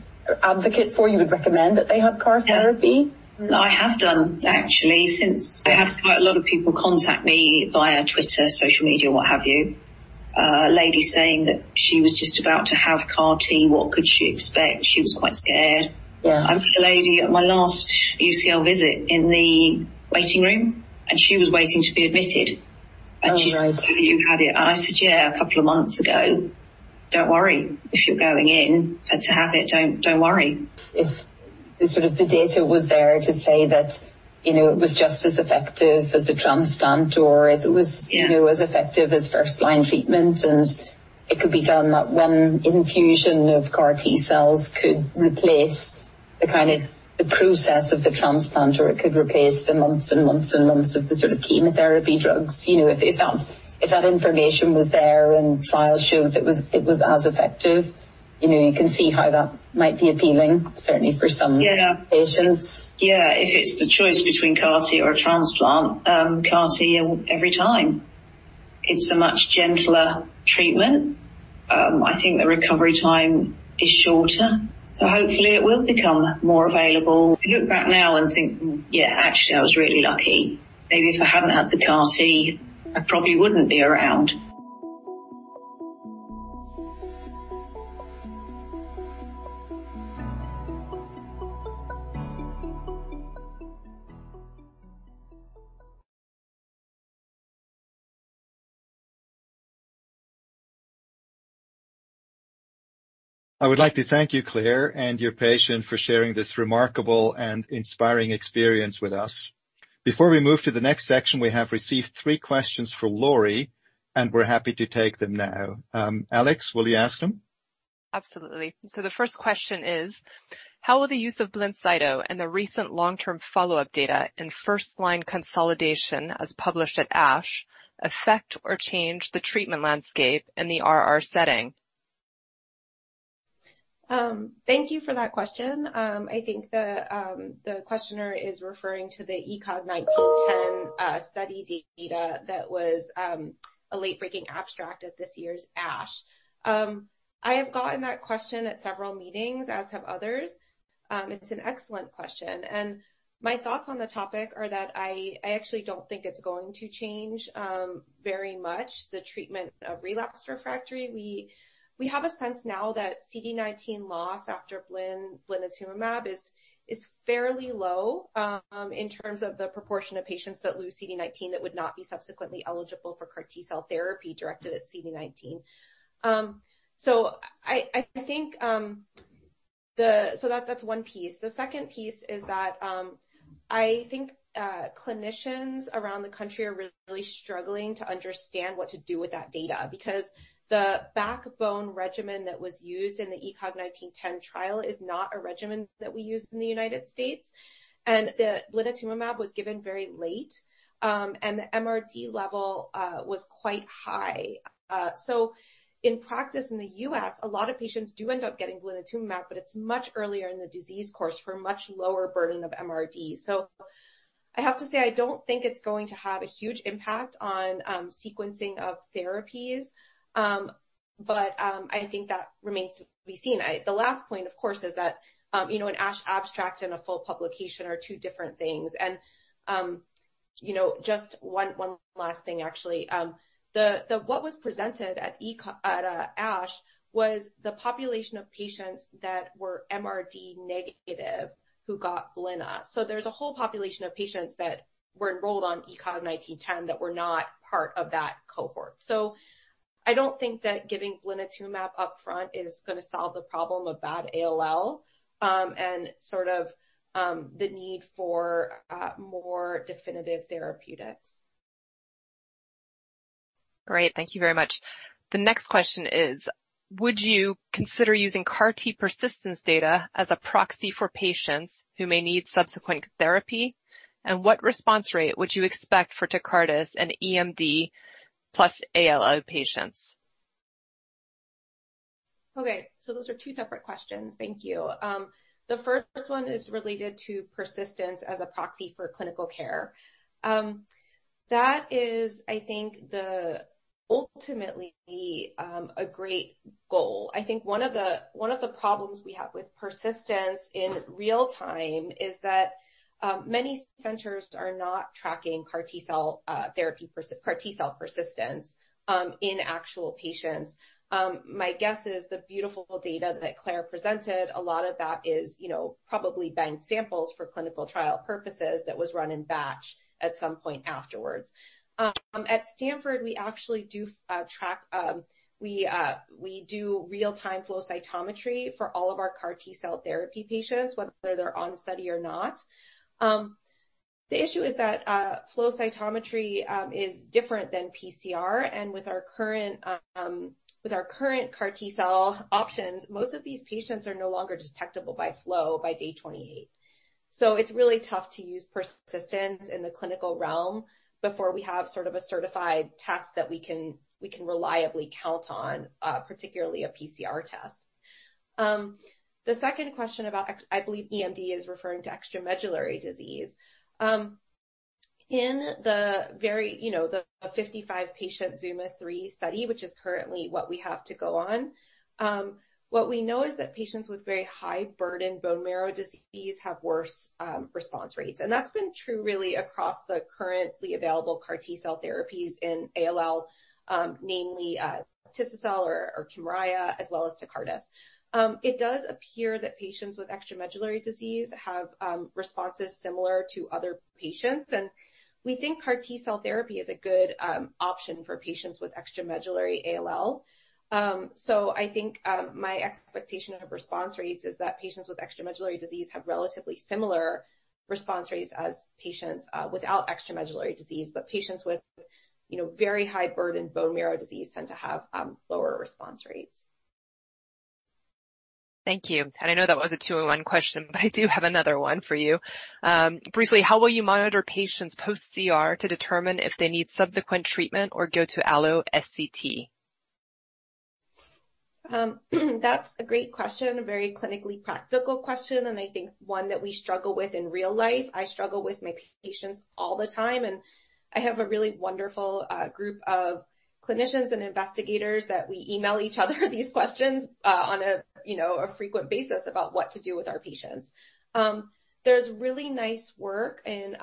advocate for, you would recommend that they have CAR therapy? Yeah. I have done actually, since I've had quite a lot of people contact me via Twitter, social media, what have you. A lady saying that she was just about to have CAR-T, what could she expect? She was quite scared. Yeah. I met a lady at my last UCL visit in the waiting room, and she was waiting to be admitted. Oh, right. She said, "Have you had it?" I said, "Yeah, a couple of months ago." Don't worry if you're going in to have it. Don't worry. If the sort of the data was there to say that, you know, it was just as effective as a transplant or if it. Yeah ...you know, as effective as first-line treatment. It could be done that one infusion of CAR T-cells could replace the kind of the process of the transplant, or it could replace the months and months and months of the sort of chemotherapy drugs. You know, if that information was there and trials showed that it was as effective, you know, you can see how that might be appealing, certainly for some... Yeah ...patients. If it's the choice between CAR T or a transplant, CAR T every time. It's a much gentler treatment. I think the recovery time is shorter, so hopefully it will become more available. I look back now and think, "actually, I was really lucky." Maybe if I hadn't had the CAR T, I probably wouldn't be around. I would like to thank you, Claire, and your patient for sharing this remarkable and inspiring experience with us. Before we move to the next section, we have received 3 questions for Lori, and we're happy to take them now. Alexandra, will you ask them? Absolutely. The first question is: How will the use of BLINCYTO and the recent long-term follow-up data in first-line consolidation, as published at ASH, affect or change the treatment landscape in the RR setting? Thank you for that question. I think the questioner is referring to the ECOG 1910 study data that was a late-breaking abstract at this year's ASH. I have gotten that question at several meetings, as have others. It's an excellent question. My thoughts on the topic are that I actually don't think it's going to change very much the treatment of relapsed refractory. We have a sense now that CD19 loss after blinatumomab is fairly low in terms of the proportion of patients that lose CD19 that would not be subsequently eligible for CAR T-cell therapy directed at CD19. I think that's one piece. The second piece is that, I think clinicians around the country are really struggling to understand what to do with that data because the backbone regimen that was used in the ECOG 1910 trial is not a regimen that we use in the United States. The blinatumomab was given very late, and the MRD level was quite high. In practice, in the U.S., a lot of patients do end up getting blinatumomab, but it's much earlier in the disease course for much lower burden of MRD. I have to say, I don't think it's going to have a huge impact on sequencing of therapies. I think that remains to be seen. The last point, of course, is that, you know, an ASH abstract and a full publication are two different things. You know, just one last thing, actually. What was presented at ASH was the population of patients that were MRD negative who got Blina. There's a whole population of patients that were enrolled on ECOG 1910 that were not part of that cohort. I don't think that giving blinatumomab upfront is gonna solve the problem of bad ALL, and sort of, the need for more definitive therapeutics. Great. Thank you very much. The next question is: Would you consider using CAR T persistence data as a proxy for patients who may need subsequent therapy? What response rate would you expect for Tecartus in EMD plus ALL patients? Those are two separate questions. Thank you. The first one is related to persistence as a proxy for clinical care. That is, I think the ultimately a great goal. I think one of the problems we have with persistence in real-time is that many centers are not tracking CAR T-cell persistence in actual patients. My guess is the beautiful data that Claire presented, a lot of that is, you know, probably bank samples for clinical trial purposes that was run in batch at some point afterwards. At Stanford, we actually do track. We do real-time flow cytometry for all of our CAR T-cell therapy patients, whether they're on study or not. The issue is that flow cytometry is different than PCR. With our current CAR T-cell options, most of these patients are no longer detectable by flow by day 28. It's really tough to use persistence in the clinical realm before we have sort of a certified test that we can reliably count on, particularly a PCR test. The second question about I believe EMD is referring to extramedullary disease. In the very, you know, the 55 patient ZUMA-3 study, which is currently what we have to go on, what we know is that patients with very high-burden bone marrow disease have worse response rates. That's been true really across the currently available CAR T-cell therapies in ALL, namely, Tisa cell or Kymriah as well as Tecartus. It does appear that patients with extramedullary disease have responses similar to other patients, and we think CAR T-cell therapy is a good option for patients with extramedullary ALL. I think my expectation of response rates is that patients with extramedullary disease have relatively similar response rates as patients without extramedullary disease, but patients with, you know, very high burden bone marrow disease tend to have lower response rates. Thank you. I know that was a two-in-one question, but I do have another one for you. Briefly, how will you monitor patients post-CR to determine if they need subsequent treatment or go to allo SCT? That's a great question, a very clinically practical question, and I think one that we struggle with in real life. I struggle with my patients all the time, and I have a really wonderful group of clinicians and investigators that we email each other these questions on a, you know, a frequent basis about what to do with our patients. There's really nice work in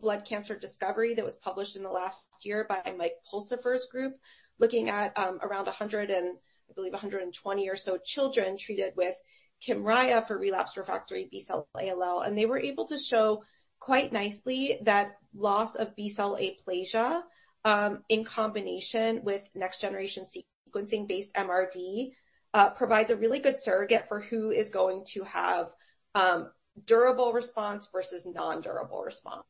Blood Cancer Discovery that was published in the last year by Michael Pulsipher's group looking at around 100 and, I believe 120 or so children treated with Kymriah for relapsed refractory B-cell ALL. They were able to show quite nicely that loss of B-cell aplasia in combination with next-generation sequencing-based MRD provides a really good surrogate for who is going to have durable response versus non-durable response.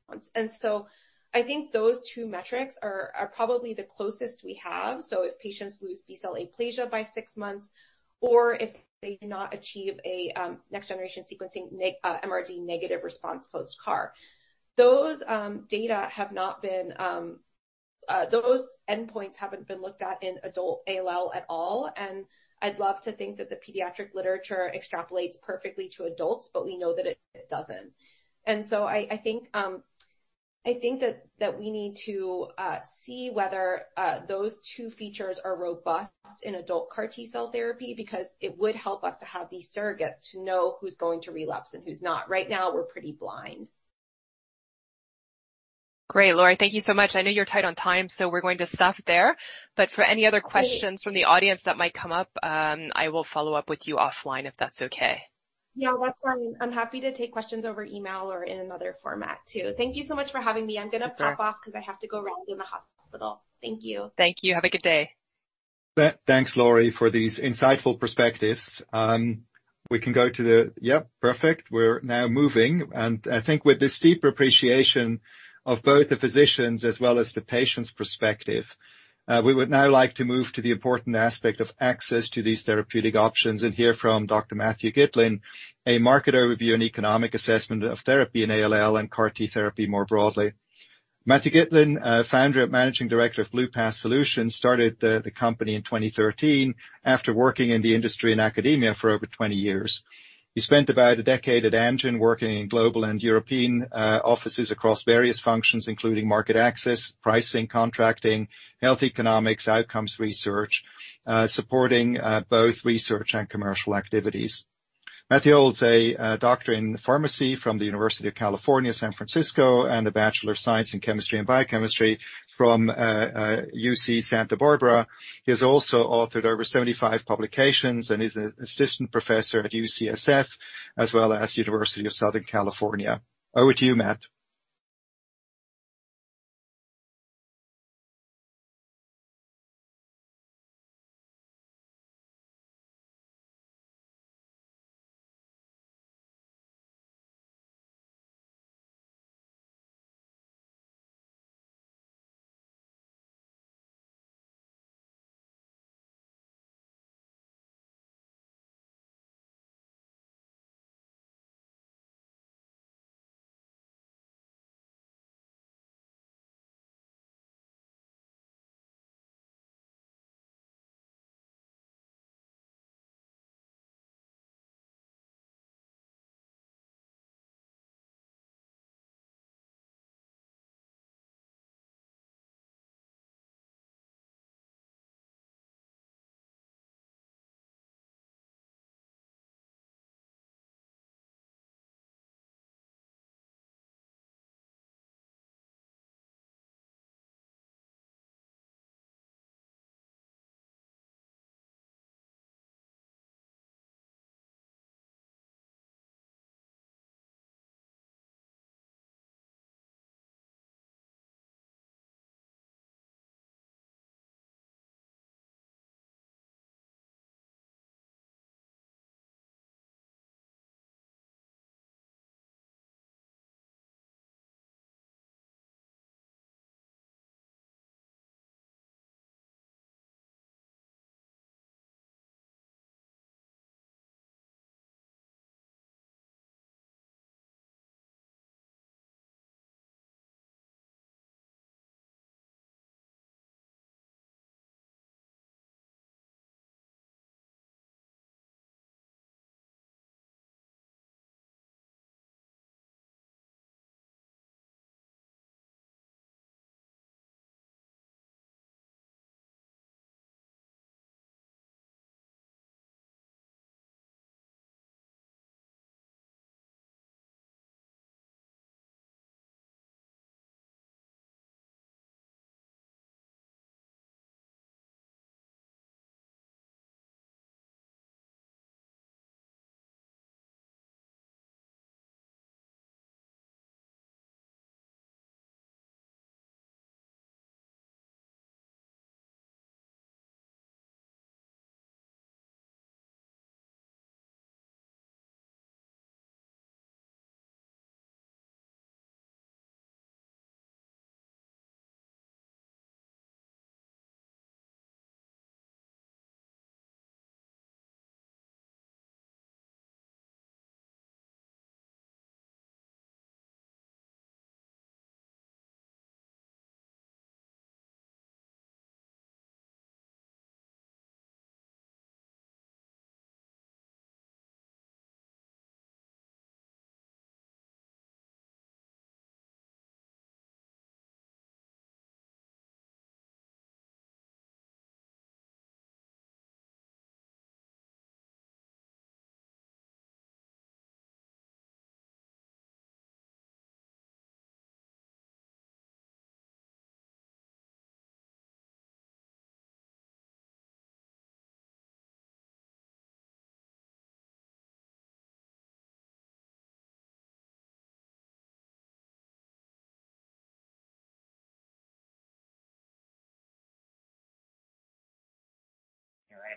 I think those two metrics are probably the closest we have. If patients lose B-cell aplasia by six months, or if they do not achieve a next-generation sequencing MRD negative response post-CAR. Those data have not been, those endpoints haven't been looked at in adult ALL at all, and I'd love to think that the pediatric literature extrapolates perfectly to adults, but we know that it doesn't. I think, I think that we need to see whether those two features are robust in adult CAR T-cell therapy because it would help us to have these surrogates to know who's going to relapse and who's not. Right now, we're pretty blind. Great. Lori, thank you so much. I know you're tight on time, so we're going to stop there. For any other questions... Great. From the audience that might come up, I will follow up with you offline, if that's okay. Yeah. That's fine. I'm happy to take questions over email or in another format too. Thank you so much for having me. Sure. I'm gonna pop off because I have to go round in the hospital. Thank you. Thank you. Have a good day. Thanks, Lori, for these insightful perspectives. We can go to the... Yep, perfect. We're now moving, and I think with this deeper appreciation of both the physicians as well as the patient's perspective, we would now like to move to the important aspect of access to these therapeutic options and hear from Dr. Matthew Gitlin, a market overview and economic assessment of therapy in ALL and CAR T therapy more broadly. Matthew Gitlin, Founder and Managing Director of BluePath Solutions, started the company in 2013 after working in the industry in academia for over 20 years. He spent about a decade at Amgen working in global and European offices across various functions, including market access, pricing, contracting, health economics, outcomes research, supporting both research and commercial activities. Matthew holds a doctorate in pharmacy from the University of California, San Francisco, and a Bachelor of Science in Chemistry and Biochemistry from UC Santa Barbara. He has also authored over 75 publications and is an assistant professor at UCSF as well as University of Southern California. Over to you, Matt.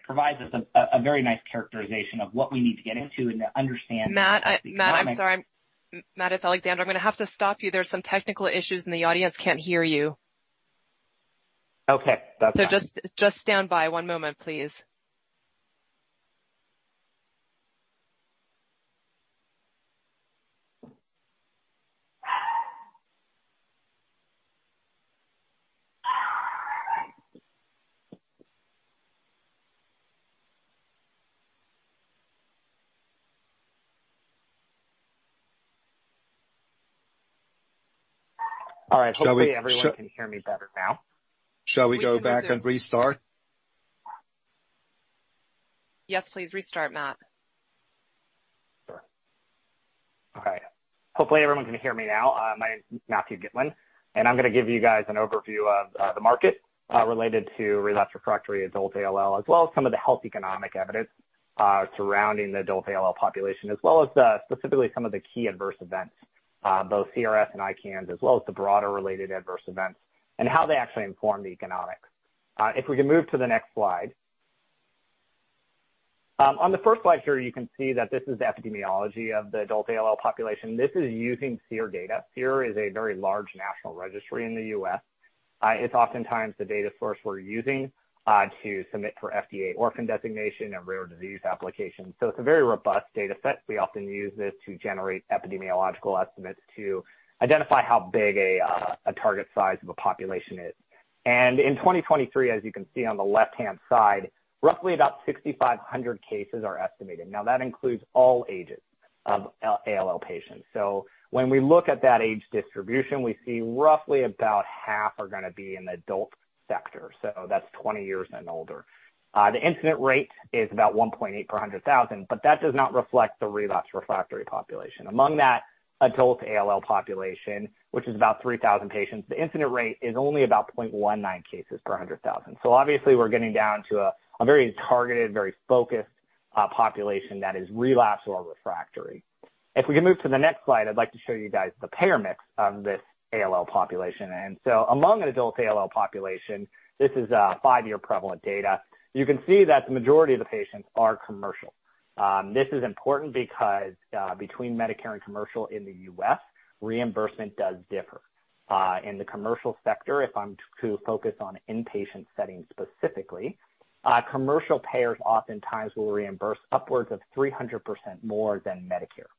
It provides us a very nice characterization of what we need to get into and to understand the economics. Matt. Matt, I'm sorry. Matt, it's Alexandra. I'm gonna have to stop you. There's some technical issues, and the audience can't hear you. Okay. Gotcha. Just stand by one moment, please. All right. Shall we- Hopefully everyone can hear me better now. Shall we go back and restart? Yes, please. Restart, Matt. Sure. All right. Hopefully everyone can hear me now. My name is Matthew Gitlin, I'm gonna give you guys an overview of the market related to relapsed/refractory adult ALL, as well as some of the health economic evidence surrounding the adult ALL population, as well as specifically some of the key adverse events, both CRS and ICANS, as well as the broader related adverse events and how they actually inform the economics. If we can move to the next slide. On the first slide here, you can see that this is the epidemiology of the adult ALL population. This is using SEER data. SEER is a very large national registry in the U.S. It's oftentimes the data source we're using to submit for FDA orphan designation and rare disease applications. It's a very robust data set. We often use this to generate epidemiological estimates to identify how big a target size of a population is. In 2023, as you can see on the left-hand side, roughly about 6,500 cases are estimated. That includes all ages of ALL patients. When we look at that age distribution, we see roughly about half are gonna be in the adult sector, so that's 20 years and older. The incident rate is about 1.8 per 100,000, but that does not reflect the relapse/refractory population. Among that adult ALL population, which is about 3,000 patients, the incident rate is only about 0.19 cases per 100,000. Obviously we're getting down to a very targeted, very focused population that is relapsed or refractory. If we can move to the next slide, I'd like to show you guys the payer mix of this ALL population. Among an adult ALL population, this is 5-year prevalent data. You can see that the majority of the patients are commercial. This is important because between Medicare and commercial in the U.S., reimbursement does differ. In the commercial sector, if I'm to focus on inpatient settings specifically, commercial payers oftentimes will reimburse upwards of 300% more than Medicare.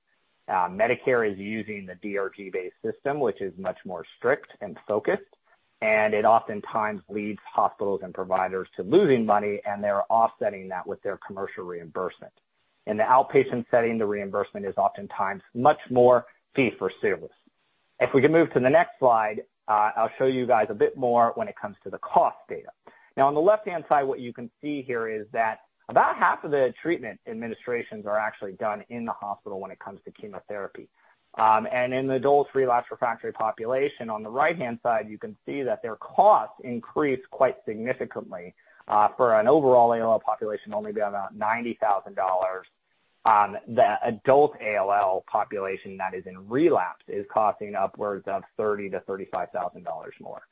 Medicare is using the DRG-based system, which is much more strict and focused, and it oftentimes leads hospitals and providers to losing money, and they're offsetting that with their commercial reimbursement. In the outpatient setting, the reimbursement is oftentimes much more fee for service. If we can move to the next slide, I'll show you guys a bit more when it comes to the cost data. On the left-hand side, what you can see here is that about half of the treatment administrations are actually done in the hospital when it comes to chemotherapy. In the adult relapsed/refractory population, on the right-hand side, you can see that their costs increase quite significantly for an overall ALL population, only about $90,000. The adult ALL population that is in relapse is costing upwards of $30,000-$35,000 more.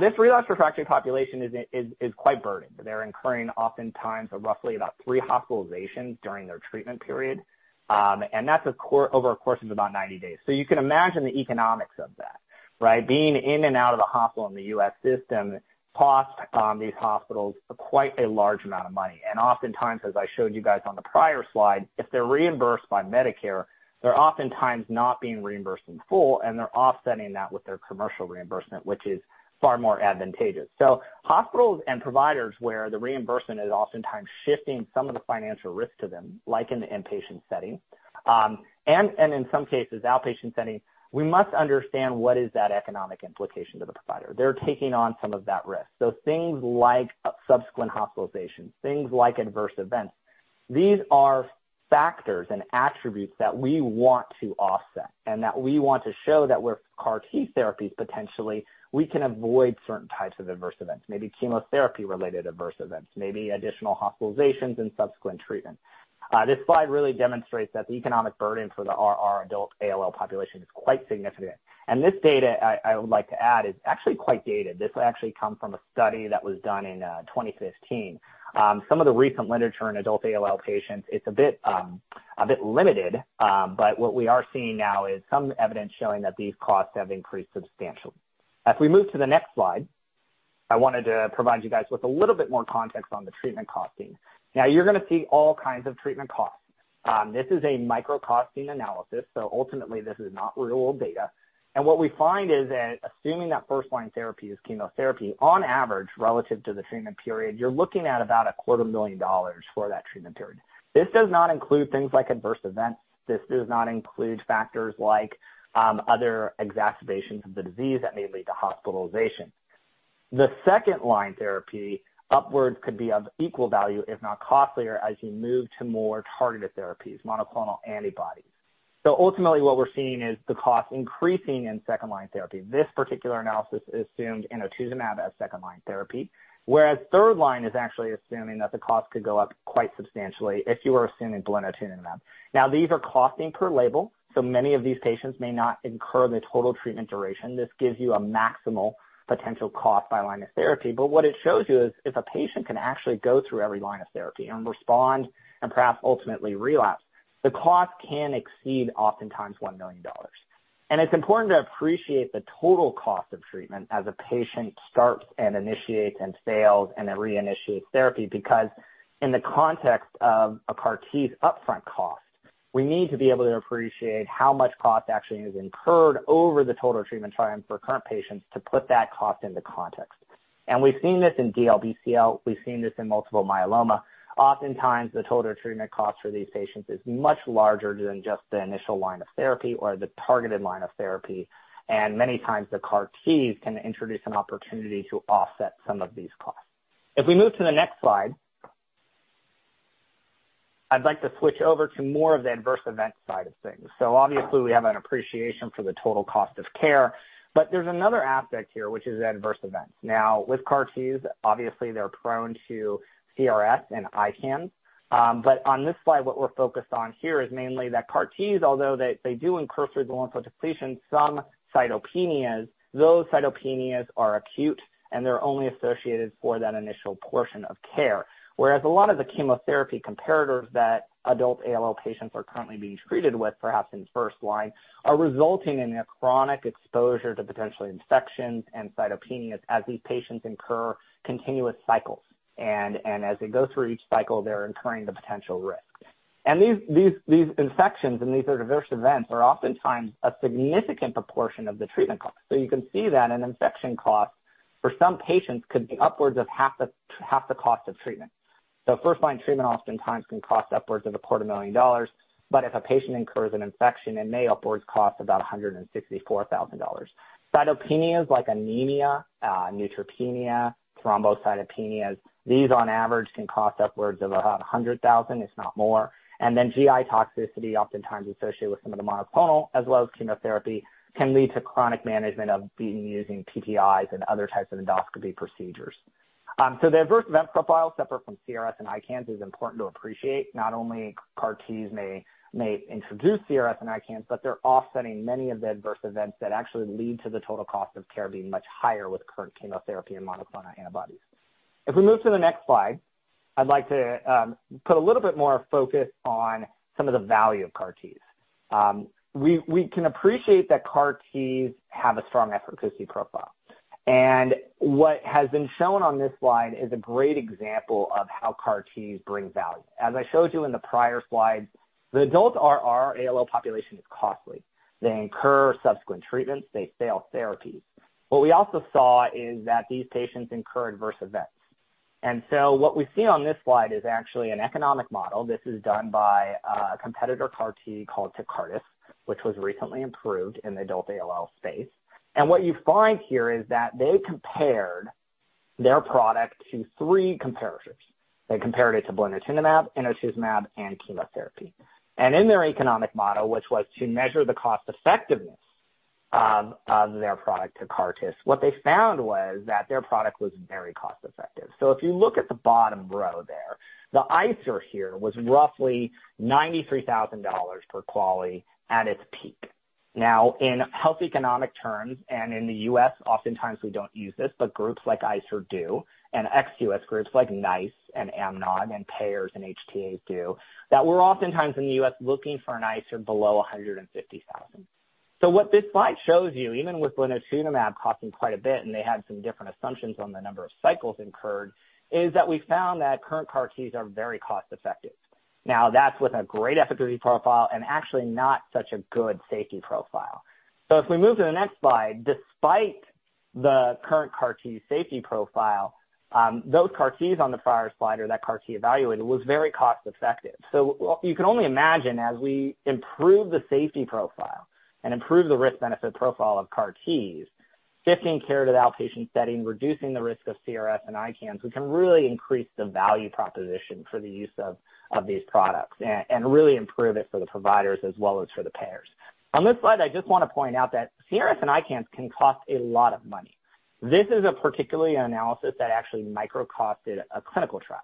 This relapsed/refractory population is quite burdened. They're incurring oftentimes roughly about 3 hospitalizations during their treatment period, that's over a course of about 90 days. You can imagine the economics of that, right? Being in and out of the hospital in the U.S. system costs these hospitals quite a large amount of money. Oftentimes, as I showed you guys on the prior slide, if they're reimbursed by Medicare, they're oftentimes not being reimbursed in full, and they're offsetting that with their commercial reimbursement, which is far more advantageous. Hospitals and providers where the reimbursement is oftentimes shifting some of the financial risk to them, like in the inpatient setting, and in some cases outpatient setting, we must understand what is that economic implication to the provider. They're taking on some of that risk. Things like subsequent hospitalizations, things like adverse events, these are factors and attributes that we want to offset and that we want to show that with CAR T therapies, potentially we can avoid certain types of adverse events, maybe chemotherapy-related adverse events, maybe additional hospitalizations and subsequent treatment. This slide really demonstrates that the economic burden for the RR adult ALL population is quite significant. This data, I would like to add, is actually quite dated. This actually comes from a study that was done in 2015. Some of the recent literature in adult ALL patients, it's a bit limited, what we are seeing now is some evidence showing that these costs have increased substantially. As we move to the next slide, I wanted to provide you guys with a little bit more context on the treatment costing. You're gonna see all kinds of treatment costs. This is a micro-costing analysis, so ultimately this is not real data. What we find is that assuming that first-line therapy is chemotherapy, on average, relative to the treatment period, you're looking at about a quarter million dollars for that treatment period. This does not include things like adverse events. This does not include factors like other exacerbations of the disease that may lead to hospitalization. The second-line therapy upwards could be of equal value, if not costlier, as you move to more targeted therapies, monoclonal antibodies. Ultimately what we're seeing is the cost increasing in second-line therapy. This particular analysis assumes inotuzumab as second-line therapy. Third line is actually assuming that the cost could go up quite substantially if you were assuming blinatumomab. These are costing per label, so many of these patients may not incur the total treatment duration. This gives you a maximal potential cost by line of therapy. What it shows you is if a patient can actually go through every line of therapy and respond and perhaps ultimately relapse, the cost can exceed oftentimes $1 million. It's important to appreciate the total cost of treatment as a patient starts and initiates and fails and then reinitiates therapy because in the context of a CAR T's upfront cost, we need to be able to appreciate how much cost actually is incurred over the total treatment time for current patients to put that cost into context. We've seen this in DLBCL, we've seen this in multiple myeloma. Oftentimes, the total treatment cost for these patients is much larger than just the initial line of therapy or the targeted line of therapy. Many times the CAR Ts can introduce an opportunity to offset some of these costs. If we move to the next slide, I'd like to switch over to more of the adverse event side of things. Obviously we have an appreciation for the total cost of care, but there's another aspect here, which is adverse events. With CAR Ts, obviously they're prone to CRS and ICANS. On this slide, what we're focused on here is mainly that CAR Ts, although they do incur through the lymphodepletion some cytopenias, those cytopenias are acute, and they're only associated for that initial portion of care. Whereas a lot of the chemotherapy comparators that adult ALL patients are currently being treated with, perhaps in first line, are resulting in a chronic exposure to potential infections and cytopenias as these patients incur continuous cycles. As they go through each cycle, they're incurring the potential risk. These infections and these adverse events are oftentimes a significant proportion of the treatment cost. You can see that an infection cost for some patients could be upwards of half the cost of treatment. First line treatment oftentimes can cost upwards of a quarter million dollars, but if a patient incurs an infection, it may upwards cost about $164,000. Cytopenias like anemia, neutropenia, thrombocytopenias, these on average can cost upwards of $100,000, if not more. Then GI toxicity oftentimes associated with some of the monoclonal as well as chemotherapy, can lead to chronic management of being using PPIs and other types of endoscopy procedures. The adverse event profile separate from CRS and ICANS is important to appreciate. Not only CAR Ts may introduce CRS and ICANS, but they're offsetting many of the adverse events that actually lead to the total cost of care being much higher with current chemotherapy and monoclonal antibodies. If we move to the next slide, I'd like to put a little bit more focus on some of the value of CAR Ts. We can appreciate that CAR Ts have a strong efficacy profile. What has been shown on this slide is a great example of how CAR Ts bring value. As I showed you in the prior slide, the adult r/r ALL population is costly. They incur subsequent treatments, they fail therapies. What we also saw is that these patients incur adverse events. What we see on this slide is actually an economic model. This is done by a competitor CAR T called Tecartus, which was recently improved in the adult ALL space. What you find here is that they compared their product to three comparators. They compared it to blinatumomab, inotuzumab, and chemotherapy. In their economic model, which was to measure the cost effectiveness of their product, Tecartus, what they found was that their product was very cost effective. If you look at the bottom row there, the ICER here was roughly $93,000 per quality at its peak. Now, in health economic terms, in the U.S. oftentimes we don't use this, but groups like ICER do, and ex-U.S. groups like NICE and AMNOG and payers and HTAs do, that we're oftentimes in the U.S. looking for an ICER below $150,000. What this slide shows you, even with blinatumomab costing quite a bit, and they had some different assumptions on the number of cycles incurred, is that we found that current CAR Ts are very cost effective. That's with a great efficacy profile and actually not such a good safety profile. If we move to the next slide, despite the current CAR T safety profile, those CAR Ts on the prior slide or that CAR T evaluated was very cost effective. You can only imagine as we improve the safety profile and improve the risk-benefit profile of CAR-T, shifting care to the outpatient setting, reducing the risk of CRS and ICANS, we can really increase the value proposition for the use of these products and really improve it for the providers as well as for the payers. On this slide, I just wanna point out that CRS and ICANS can cost a lot of money. This is a particularly analysis that actually micro-costed a clinical trial.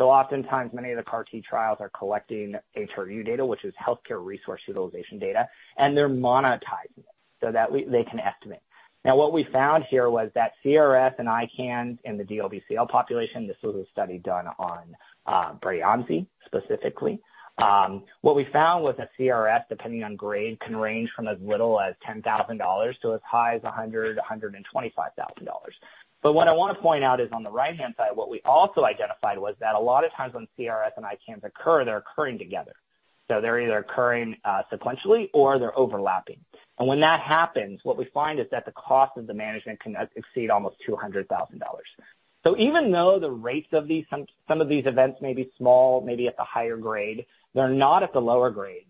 Oftentimes, many of the CAR-T trials are collecting HRU data, which is healthcare resource utilization data, and they're monetized. That they can estimate. What we found here was that CRS and ICANS in the DLBCL population, this was a study done on Breyanzi specifically. What we found was that CRS, depending on grade, can range from as little as $10,000 to as high as $100,000-$125,000. What I wanna point out is on the right-hand side, what we also identified was that a lot of times when CRS and ICANS occur, they're occurring together. They're either occurring sequentially or they're overlapping. When that happens, what we find is that the cost of the management can exceed almost $200,000. Even though the rates of these, some of these events may be small, maybe at the higher grade, they're not at the lower grades.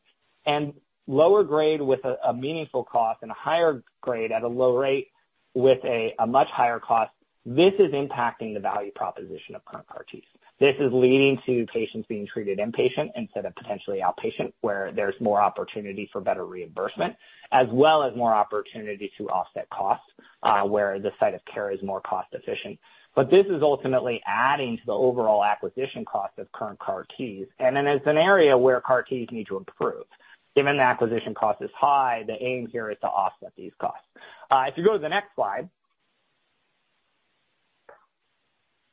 Lower grade with a meaningful cost and a higher grade at a low rate with a much higher cost, this is impacting the value proposition of current CAR Ts. This is leading to patients being treated inpatient instead of potentially outpatient, where there's more opportunity for better reimbursement, as well as more opportunity to offset costs, where the site of care is more cost efficient. This is ultimately adding to the overall acquisition cost of current CAR Ts. It's an area where CAR Ts need to improve. Given the acquisition cost is high, the aim here is to offset these costs. If you go to the next slide.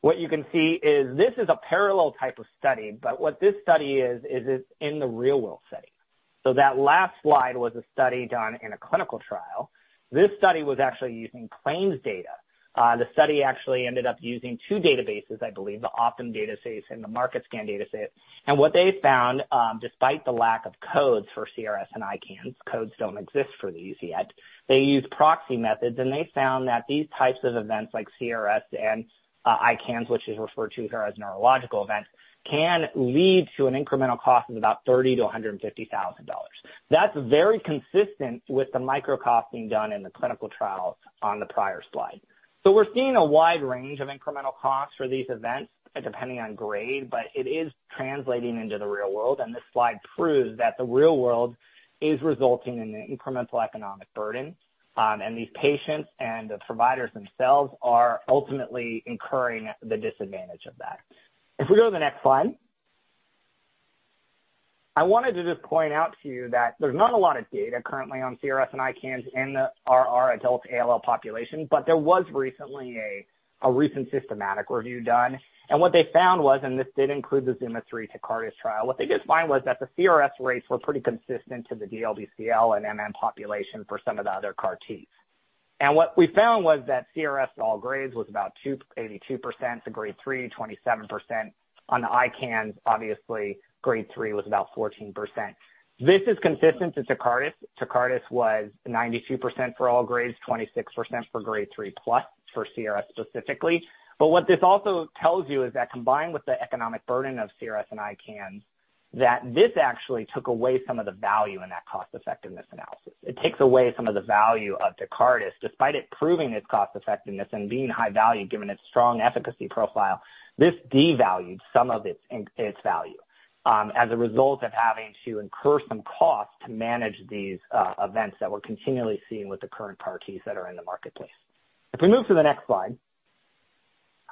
What you can see is this is a parallel type of study. What this study is it's in the real-world setting. That last slide was a study done in a clinical trial. This study was actually using claims data. The study actually ended up using two databases, I believe, the Optum dataset and the MarketScan dataset. What they found, despite the lack of codes for CRS and ICANS, codes don't exist for these yet. They used proxy methods, and they found that these types of events, like CRS and ICANS, which is referred to here as neurological events, can lead to an incremental cost of about $30,000-$150,000. That's very consistent with the micro-costing done in the clinical trials on the prior slide. We're seeing a wide range of incremental costs for these events, depending on grade, but it is translating into the real world. This slide proves that the real world is resulting in an incremental economic burden. These patients and the providers themselves are ultimately incurring the disadvantage of that. If we go to the next slide. I wanted to just point out to you that there's not a lot of data currently on CRS and ICANS in the RR adult ALL population. There was recently a recent systematic review done. What they found was, this did include the ZUMA-3 Tecartus trial. What they did find was that the CRS rates were pretty consistent to the DLBCL and MM population for some of the other CAR Ts. What we found was that CRS at all grades was about 82%. To grade 3, 27%. On the ICANS, obviously, grade 3 was about 14%. This is consistent to Tecartus. Tecartus was 92% for all grades, 26% for grade 3+ for CRS specifically. What this also tells you is that combined with the economic burden of CRS and ICANS, that this actually took away some of the value in that cost effectiveness analysis. It takes away some of the value of Tecartus. Despite it proving its cost effectiveness and being high value given its strong efficacy profile, this devalued some of its value as a result of having to incur some costs to manage these events that we're continually seeing with the current CAR Ts that are in the marketplace. We move to the next slide.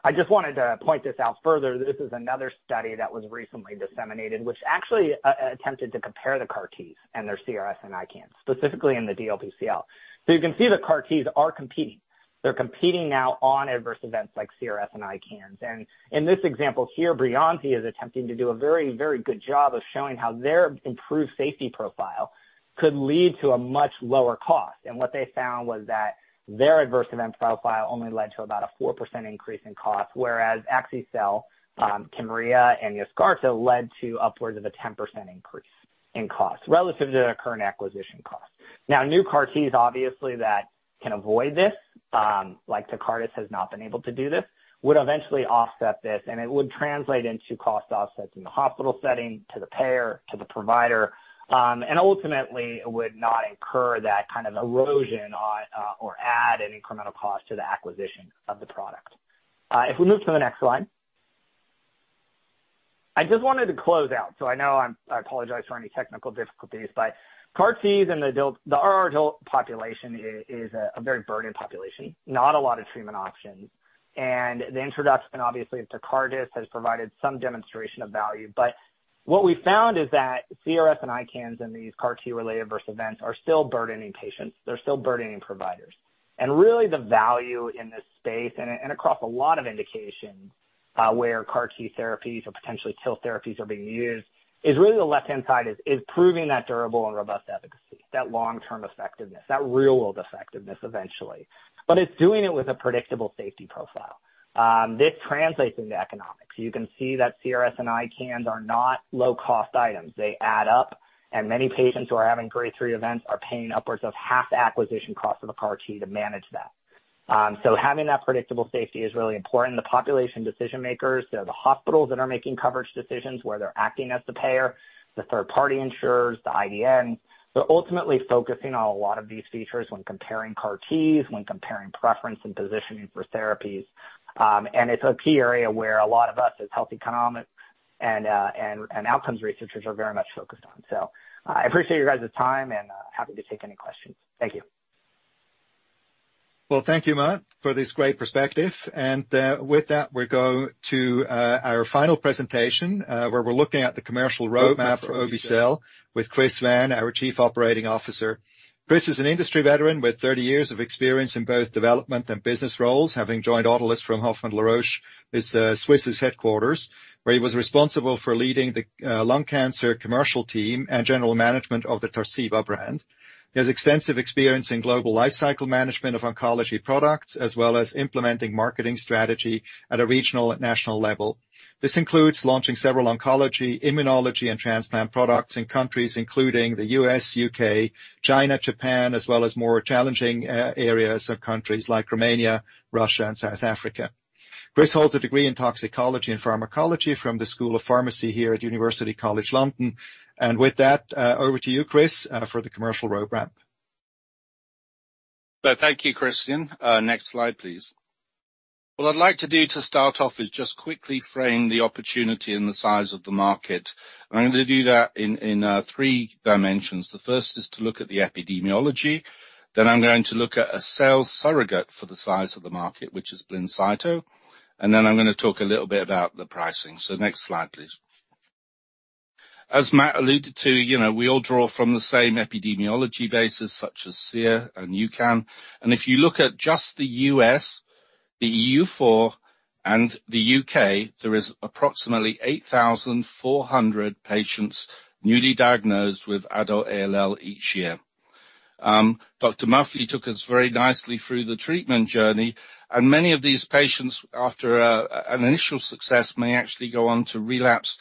I just wanted to point this out further. This is another study that was recently disseminated, which actually attempted to compare the CAR Ts and their CRS and ICANS, specifically in the DLBCL. You can see the CAR Ts are competing. They're competing now on adverse events like CRS and ICANS. In this example here, Breyanzi is attempting to do a very, very good job of showing how their improved safety profile could lead to a much lower cost. What they found was that their adverse event profile only led to about a 4% increase in cost, whereas Axi-cel, Kymriah and Yescarta led to upwards of a 10% increase in cost relative to their current acquisition cost. New CAR Ts, obviously, that can avoid this, like Tecartus has not been able to do this, would eventually offset this, and it would translate into cost offsets in the hospital setting to the payer, to the provider, and ultimately it would not incur that kind of erosion on, or add an incremental cost to the acquisition of the product. If we move to the next slide. I know I apologize for any technical difficulties, but CAR Ts in the adult R/R adult population is a very burdened population, not a lot of treatment options. The introduction, obviously, of Tecartus has provided some demonstration of value. What we found is that CRS and ICANS and these CAR T-related adverse events are still burdening patients. They're still burdening providers. Really the value in this space and across a lot of indications, where CAR T therapies or potentially TIL therapies are being used is really the left-hand side is proving that durable and robust efficacy, that long-term effectiveness, that real-world effectiveness eventually. It's doing it with a predictable safety profile. This translates into economics. You can see that CRS and ICANS are not low-cost items. They add up and many patients who are having grade three events are paying upwards of half the acquisition cost of a CAR T to manage that. Having that predictable safety is really important. The population decision-makers, they're the hospitals that are making coverage decisions where they're acting as the payer, the third-party insurers, the IDN. They're ultimately focusing on a lot of these features when comparing CAR Ts, when comparing preference and positioning for therapies. It's a key area where a lot of us as health economics and outcomes researchers are very much focused on. I appreciate you guys' time and happy to take any questions. Thank you. Well, thank you, Matt, for this great perspective. With that, we go to our final presentation, where we're looking at the commercial roadmap for obe-cel with Chris Vann, our chief operating officer. Chris is an industry veteran with 30 years of experience in both development and business roles, having joined Autolus from Hoffmann-La Roche, its Swiss's headquarters, where he was responsible for leading the lung cancer commercial team and general management of the Tarceva brand. He has extensive experience in global lifecycle management of oncology products, as well as implementing marketing strategy at a regional and national level. This includes launching several oncology, immunology, and transplant products in countries including the U.S., U.K., China, Japan, as well as more challenging areas of countries like Romania, Russia, and South Africa. Chris holds a degree in toxicology and pharmacology from the School of Pharmacy here at University College London. With that, over to you, Chris, for the commercial roadmap. Thank you, Christian. Next slide, please. What I'd like to do to start off is just quickly frame the opportunity and the size of the market. I'm going to do that in three dimensions. The first is to look at the epidemiology. I'm going to look at a sales surrogate for the size of the market, which is Blincyto, and then I'm gonna talk a little bit about the pricing. Next slide, please. As Matt alluded to, you know, we all draw from the same epidemiology basis, such as SEER and UCAN. If you look at just the US, the EU4, and the UK, there is approximately 8,400 patients newly diagnosed with adult ALL each year. Dr. Muffly took us very nicely through the treatment journey. Many of these patients, after an initial success, may actually go on to relapse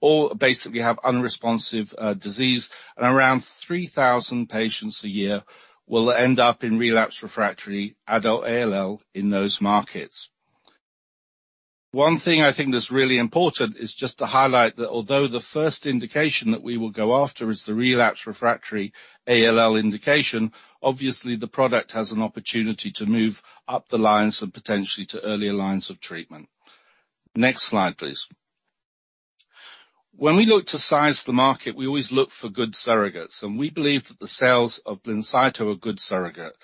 or basically have unresponsive disease. Around 3,000 patients a year will end up in relapse refractory adult ALL in those markets. One thing I think that's really important is just to highlight that although the first indication that we will go after is the relapse refractory ALL indication, obviously the product has an opportunity to move up the lines and potentially to earlier lines of treatment. Next slide, please. When we look to size the market, we always look for good surrogates, and we believe that the sales of Blincyto are a good surrogate.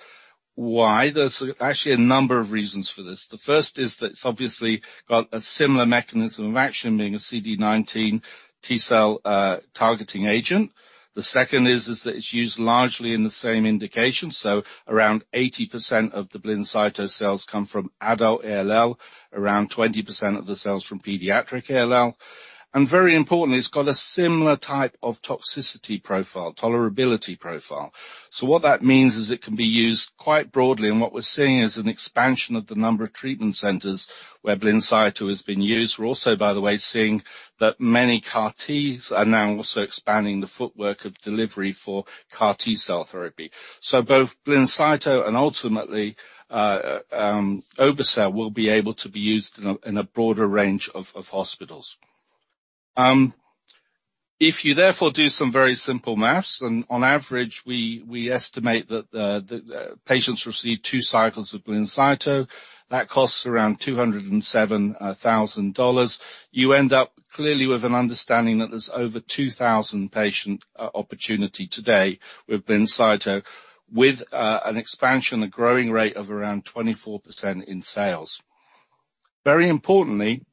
Why? There's actually a number of reasons for this. The first is that it's obviously got a similar mechanism of action being a CD19 T-cell targeting agent. The second is that it's used largely in the same indication. Around 80% of the Blincyto cells come from adult ALL, around 20% of the cells from pediatric ALL. Very importantly, it's got a similar type of toxicity profile, tolerability profile. What that means is it can be used quite broadly. What we're seeing is an expansion of the number of treatment centers where Blincyto has been used. We're also, by the way, seeing that many CAR-Ts are now also expanding the footwork of delivery for CAR T-cell therapy. Both Blincyto and ultimately, obe-cel will be able to be used in a, in a broader range of hospitals. If you therefore do some very simple math, and on average, we estimate that the patients receive two cycles of Blincyto. That costs around $207,000. You end up clearly with an understanding that there's over 2,000 patient opportunity today with Blincyto, with an expansion, a growing rate of around 24% in sales. Very importantly,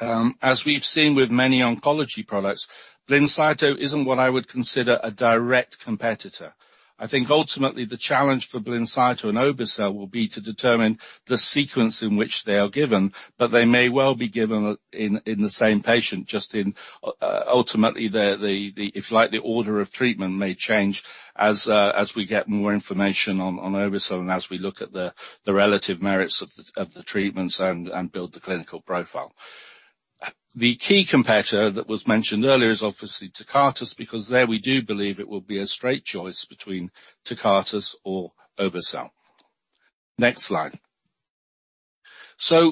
as we've seen with many oncology products, Blincyto isn't what I would consider a direct competitor. I think ultimately the challenge for Blincyto and obe-cel will be to determine the sequence in which they are given, but they may well be given in the same patient just in ultimately the, if you like, the order of treatment may change as we get more information on obe-cel and as we look at the relative merits of the treatments and build the clinical profile. The key competitor that was mentioned earlier is obviously Tecartus, because there we do believe it will be a straight choice between Tecartus or obe-cel. Next slide.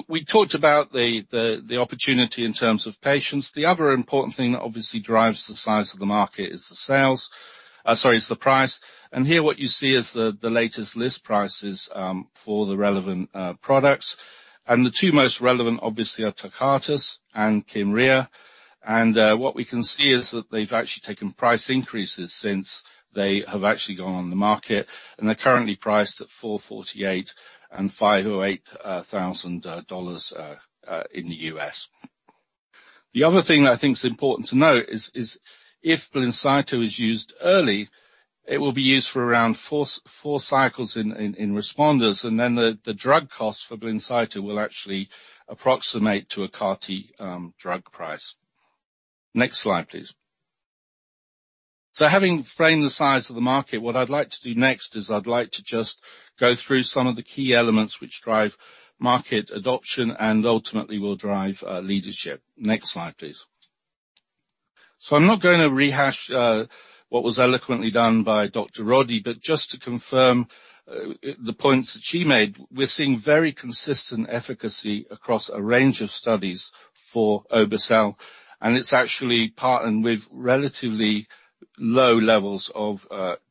We talked about the opportunity in terms of patients. The other important thing that obviously drives the size of the market is the price. Here what you see is the latest list prices for the relevant products. The two most relevant obviously are Tecartus and Kymriah. What we can see is that they've actually taken price increases since they have actually gone on the market, and they're currently priced at $448 thousand and $508 thousand in the U.S. The other thing that I think is important to note is if Blincyto is used early, it will be used for around 4 cycles in responders, and then the drug cost for Blincyto will actually approximate to a CAR T drug price. Next slide, please. Having framed the size of the market, what I'd like to do next is I'd like to just go through some of the key elements which drive market adoption and ultimately will drive leadership. Next slide, please. I'm not going to rehash what was eloquently done by Dr. Roddie, but just to confirm the points that she made, we're seeing very consistent efficacy across a range of studies for obe-cel, and it's actually partnered with relatively low levels of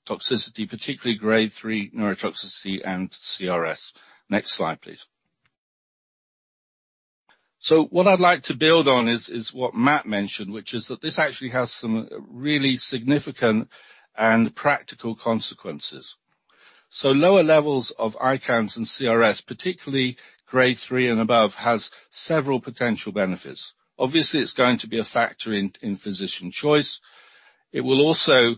toxicity, particularly grade three neurotoxicity and CRS. Next slide, please. What I'd like to build on is what Matt mentioned, which is that this actually has some really significant and practical consequences. Lower levels of ICANS and CRS, particularly grade three and above, has several potential benefits. Obviously, it's going to be a factor in physician choice. It will also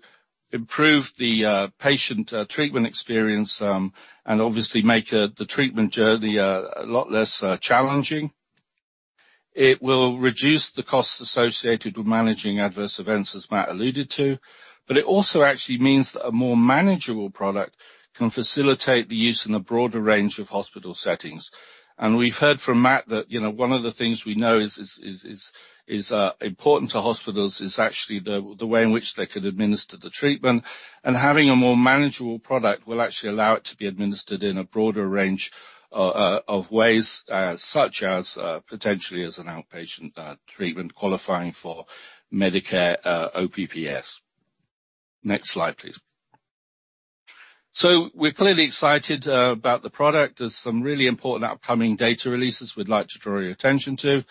improve the patient treatment experience and obviously make the treatment journey a lot less challenging. It will reduce the costs associated with managing adverse events, as Matt alluded to. It also actually means that a more manageable product can facilitate the use in a broader range of hospital settings. We've heard from Matt that, you know, one of the things we know is important to hospitals is actually the way in which they could administer the treatment. Having a more manageable product will actually allow it to be administered in a broader range of ways, such as potentially as an outpatient treatment qualifying for Medicare OPPS. Next slide, please. We're clearly excited about the product. There's some really important upcoming data releases we'd like to draw your attention to.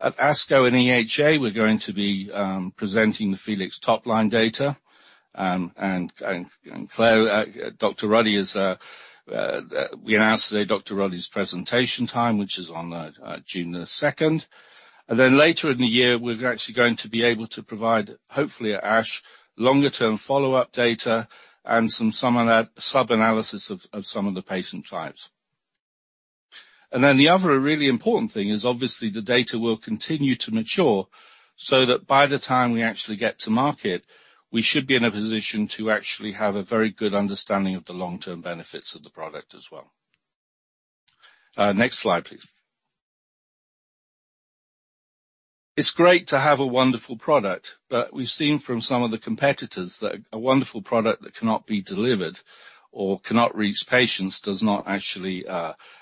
At ASCO and EHA, we're going to be presenting the FELIX top-line data. We announced today Dr. Roddie's presentation time, which is on June 2nd. Later in the year, we're actually going to be able to provide, hopefully at ASH, longer-term follow-up data and some subanalysis of some of the patient types. The other really important thing is obviously the data will continue to mature so that by the time we actually get to market, we should be in a position to actually have a very good understanding of the long-term benefits of the product as well. next slide, please. It's great to have a wonderful product. We've seen from some of the competitors that a wonderful product that cannot be delivered or cannot reach patients does not actually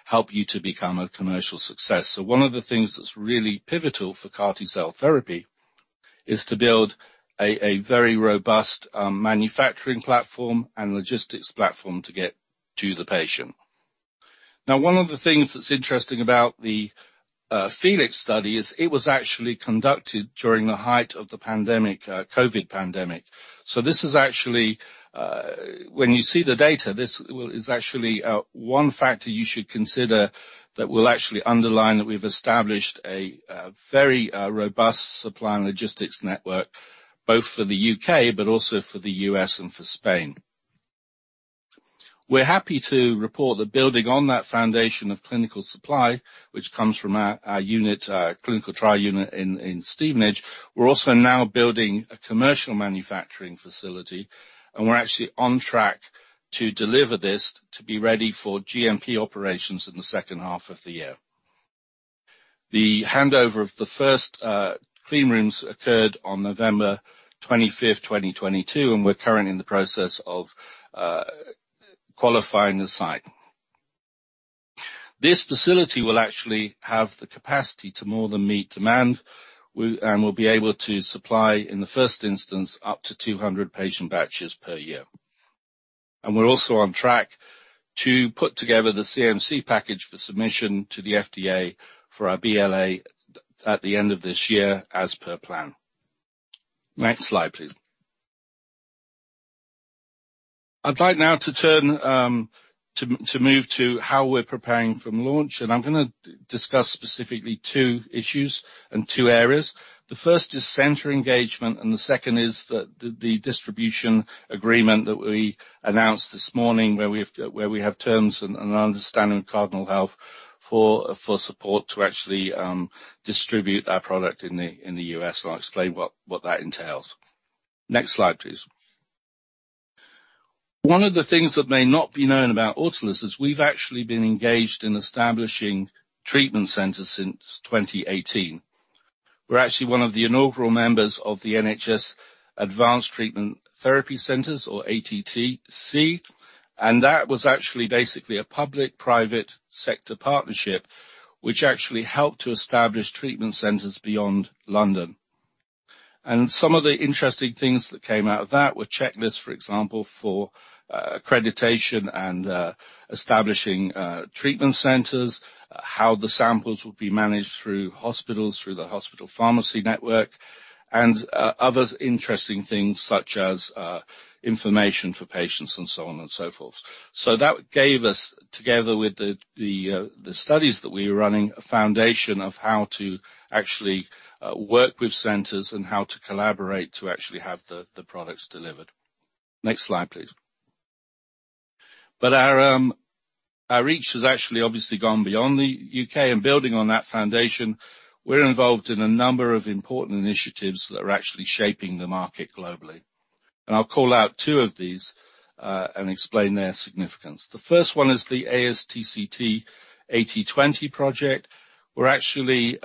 help you to become a commercial success. One of the things that's really pivotal for CAR T-cell therapy is to build a very robust manufacturing platform and logistics platform to get to the patient. One of the things that's interesting about the FELIX study is it was actually conducted during the height of the pandemic, COVID pandemic. This is actually when you see the data, this is actually one factor you should consider that will actually underline that we've established a very robust supply and logistics network, both for the U.K. but also for the U.S. and for Spain. We're happy to report that building on that foundation of clinical supply, which comes from our unit, clinical trial unit in Stevenage, we're also now building a commercial manufacturing facility, we're actually on track to deliver this to be ready for GMP operations in the second half of the year. The handover of the first clean rooms occurred on November 25th, 2022, we're currently in the process of qualifying the site. This facility will actually have the capacity to more than meet demand and will be able to supply, in the first instance, up to 200 patient batches per year. We're also on track to put together the CMC package for submission to the FDA for our BLA at the end of this year as per plan. Next slide, please. I'd like now to turn to move to how we're preparing from launch, I'm gonna discuss specifically two issues and two areas. The first is center engagement, the second is the distribution agreement that we announced this morning, where we have terms and understanding of Cardinal Health for support to actually distribute our product in the U.S., I'll explain what that entails. Next slide, please. One of the things that may not be known about Autolus is we've actually been engaged in establishing treatment centers since 2018. We're actually one of the inaugural members of the NHS Advanced Treatment Therapy Centers or ATTC, that was actually basically a public-private sector partnership which actually helped to establish treatment centers beyond London. Some of the interesting things that came out of that were checklists, for example, for accreditation and establishing treatment centers, how the samples would be managed through hospitals, through the hospital pharmacy network, and other interesting things such as information for patients and so on and so forth. That gave us, together with the studies that we were running, a foundation of how to actually work with centers and how to collaborate to actually have the products delivered. Next slide, please. Our reach has actually obviously gone beyond the U.K. Building on that foundation, we're involved in a number of important initiatives that are actually shaping the market globally. I'll call out two of these and explain their significance. The first one is the ASTCT 80/20 project. We're actually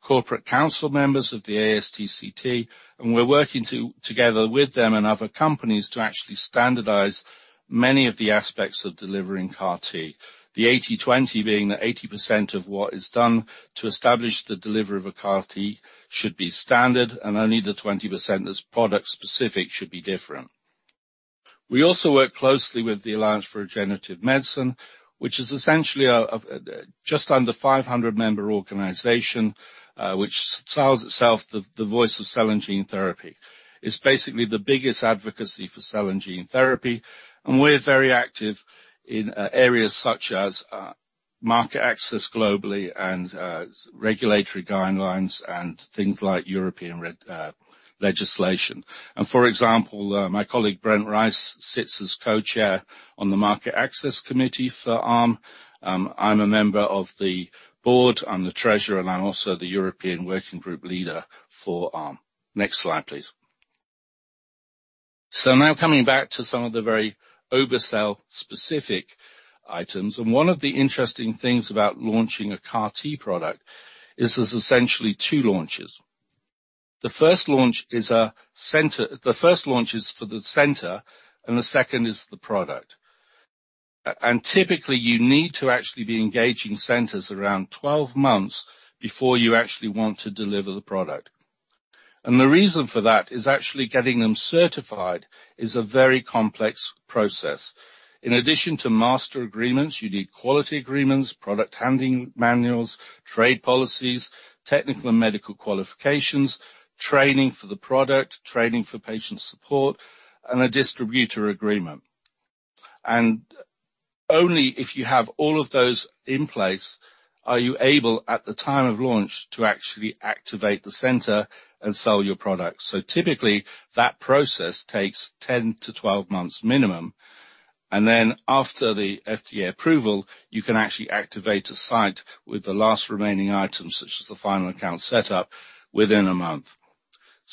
corporate council members of the ASTCT, and we're working together with them and other companies to actually standardize many of the aspects of delivering CAR T. The 80/20 being that 80% of what is done to establish the delivery of a CAR T should be standard and only the 20% that's product specific should be different. We also work closely with the Alliance for Regenerative Medicine, which is essentially a just under 500 member organization, which styles itself the voice of cell and gene therapy. It's basically the biggest advocacy for cell and gene therapy, and we're very active in areas such as market access globally and regulatory guidelines and things like European legislation. For example, my colleague, Brent Rice, sits as co-chair on the Market Access Committee for ARM. I'm a member of the board, I'm the treasurer, and I'm also the European working group leader for ARM. Next slide, please. Now coming back to some of the very obe-cel specific items, and one of the interesting things about launching a CAR-T product is there's essentially two launches. The first launch is for the center, and the second is the product. Typically, you need to actually be engaging centers around 12 months before you actually want to deliver the product. The reason for that is actually getting them certified is a very complex process. In addition to master agreements, you need quality agreements, product handling manuals, trade policies, technical and medical qualifications, training for the product, training for patient support, and a distributor agreement. Only if you have all of those in place are you able, at the time of launch, to actually activate the center and sell your product. Typically, that process takes 10 to 12 months minimum. Then after the FDA approval, you can actually activate a site with the last remaining items, such as the final account setup, within a month.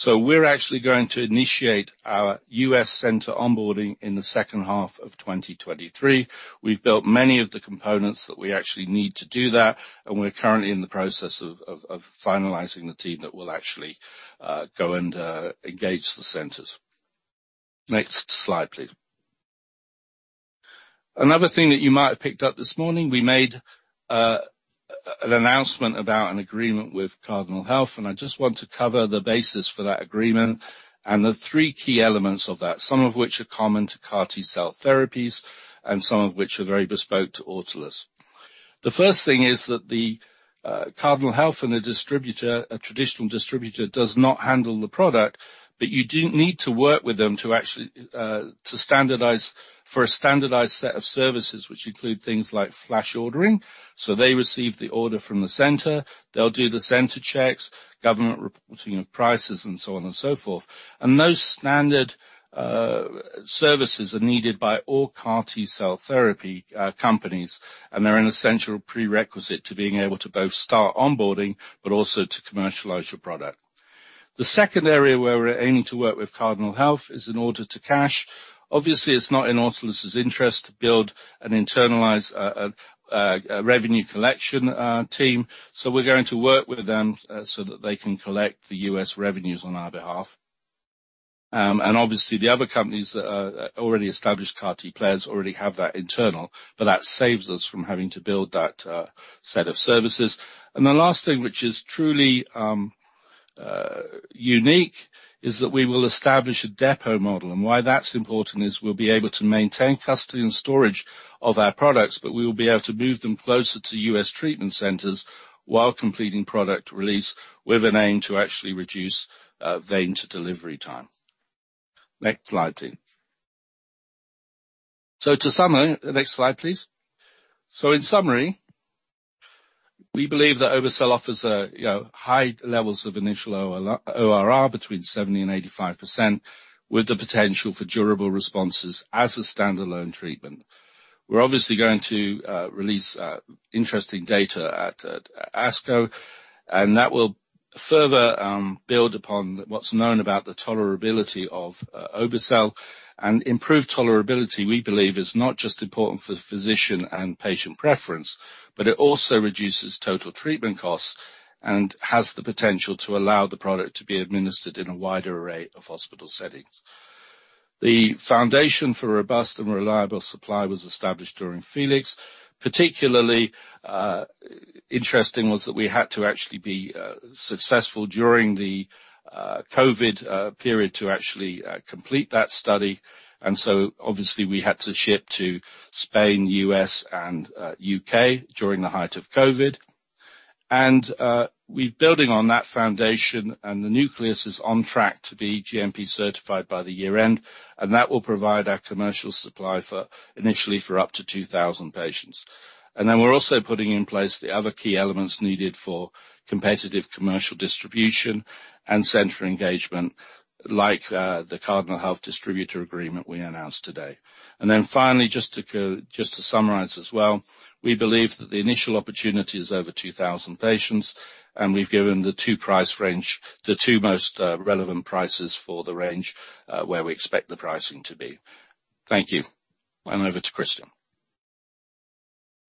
We're actually going to initiate our US center onboarding in the second half of 2023. We've built many of the components that we actually need to do that, and we're currently in the process of finalizing the team that will actually go and engage the centers. Next slide, please. Another thing that you might have picked up this morning, we made an announcement about an agreement with Cardinal Health. I just want to cover the basis for that agreement and the three key elements of that, some of which are common to CAR T-cell therapies and some of which are very bespoke to Autolus. The first thing is that the Cardinal Health, the distributor, a traditional distributor, does not handle the product. You do need to work with them to actually for a standardized set of services, which include things like flash ordering. They receive the order from the center, they'll do the center checks, government reporting of prices, and so on and so forth. Those standard services are needed by all CAR T-cell therapy companies, and they're an essential prerequisite to being able to both start onboarding, but also to commercialize your product. The second area where we're aiming to work with Cardinal Health is in order-to-cash. Obviously, it's not in Autolus' interest to build and internalize a revenue collection team. We're going to work with them so that they can collect the U.S. revenues on our behalf. Obviously the other companies that are already established CAR-T players already have that internal, but that saves us from having to build that set of services. The last thing, which is truly unique is that we will establish a depot model, and why that's important is we'll be able to maintain custody and storage of our products, but we will be able to move them closer to U.S. treatment centers while completing product release with an aim to actually reduce vein-to-delivery time. Next slide, please. In summary, we believe that obe-cel offers a, you know, high levels of initial ORR between 70%-85% with the potential for durable responses as a standalone treatment. We're obviously going to release interesting data at ASCO, and that will further build upon what's known about the tolerability of obe-cel. Improved tolerability, we believe, is not just important for physician and patient preference, but it also reduces total treatment costs and has the potential to allow the product to be administered in a wider array of hospital settings. The foundation for robust and reliable supply was established during FELIX. Particularly interesting was that we had to actually be successful during the COVID period to actually complete that study. Obviously we had to ship to Spain, U.S., and U.K. during the height of COVID. We're building on that foundation, and the nucleus is on track to be GMP certified by the year end, and that will provide our commercial supply for initially for up to 2,000 patients. We're also putting in place the other key elements needed for competitive commercial distribution and center engagement, like the Cardinal Health distributor agreement we announced today. Finally, just to summarize as well, we believe that the initial opportunity is over 2,000 patients, and we've given the 2 price range, the 2 most relevant prices for the range, where we expect the pricing to be. Thank you. Over to Christian.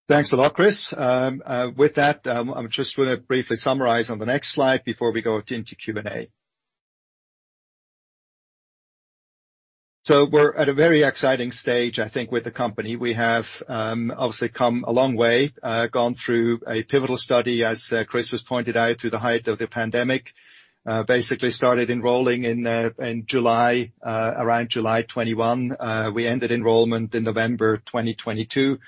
Thanks a lot, Chris. With that, I just wanna briefly summarize on the next slide before we go into Q&A. We're at a very exciting stage, I think, with the company. We have obviously come a long way, gone through a pivotal study, as Chris has pointed out, through the height of the pandemic. Basically started enrolling in July, around July '21. We ended enrollment in November 2022.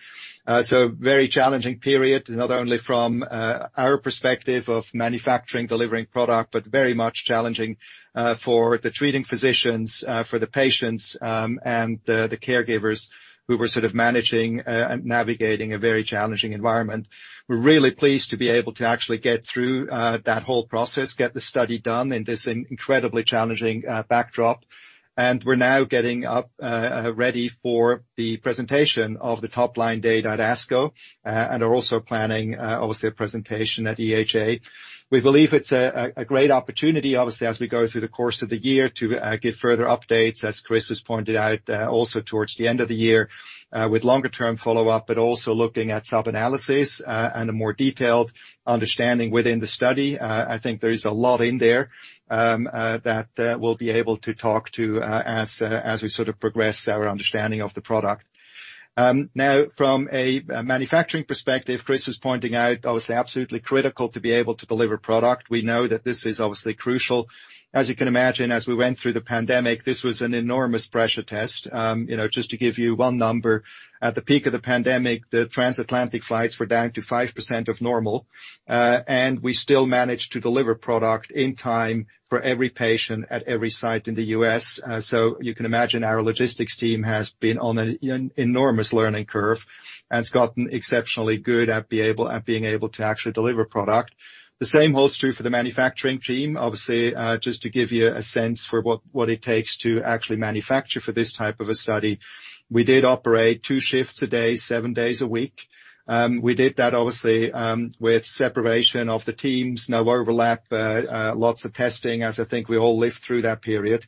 Very challenging period, not only from our perspective of manufacturing, delivering product, but very much challenging for the treating physicians, for the patients, and the caregivers who were sort of managing and navigating a very challenging environment. We're really pleased to be able to actually get through that whole process, get the study done in this incredibly challenging backdrop. We're now getting up ready for the presentation of the top-line data at ASCO, and are also planning obviously a presentation at EHA. We believe it's a great opportunity, obviously, as we go through the course of the year, to give further updates, as Chris has pointed out, also towards the end of the year, with longer-term follow-up, but also looking at sub-analysis, and a more detailed understanding within the study. I think there is a lot in there that we'll be able to talk to as we sort of progress our understanding of the product. Now, from a manufacturing perspective, Chris was pointing out, obviously, absolutely critical to be able to deliver product. We know that this is obviously crucial. As you can imagine, as we went through the pandemic, this was an enormous pressure test. you know, just to give you 1 number, at the peak of the pandemic, the Transatlantic flights were down to 5% of normal, we still managed to deliver product in time for every patient at every site in the US. You can imagine our logistics team has been on an enormous learning curve and has gotten exceptionally good at being able to actually deliver product. The same holds true for the manufacturing team. Obviously, just to give you a sense for what it takes to actually manufacture for this type of a study. We did operate 2 shifts a day, 7 days a week. We did that obviously, with separation of the teams, no overlap, lots of testing, as I think we all lived through that period.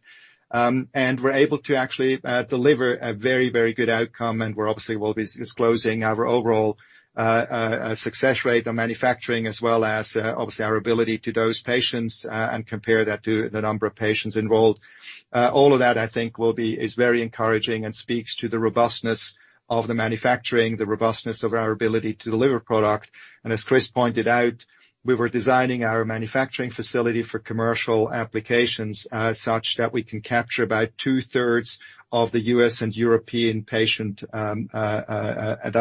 We're able to actually, deliver a very, very good outcome, and we're obviously will be disclosing our overall, success rate on manufacturing, as well as, obviously, our ability to dose patients, and compare that to the number of patients enrolled. All of that, I think, will be very encouraging and speaks to the robustness of the manufacturing, the robustness of our ability to deliver product. As Chris pointed out, we were designing our manufacturing facility for commercial applications, such that we can capture about two-thirds of the U.S. and European patient that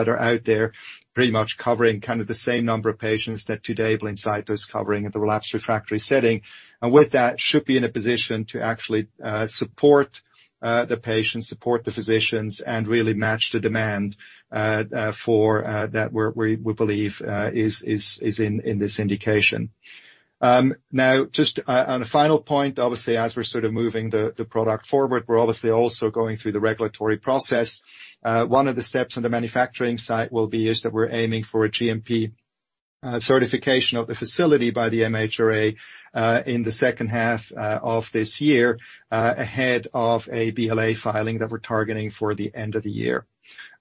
are out there, pretty much covering kind of the same number of patients that today Blincyto is covering at the relapsed refractory setting. With that, should be in a position to actually support the patients, support the physicians, and really match the demand for that we believe is in this indication. Now, just on a final point, obviously, as we're sort of moving the product forward, we're obviously also going through the regulatory process. One of the steps on the manufacturing site will be is that we're aiming for a GMP certification of the facility by the MHRA in the second half of this year ahead of a BLA filing that we're targeting for the end of the year.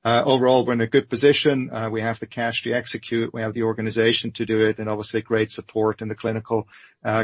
Overall, we're in a good position. We have the cash to execute, we have the organization to do it, and obviously great support in the clinical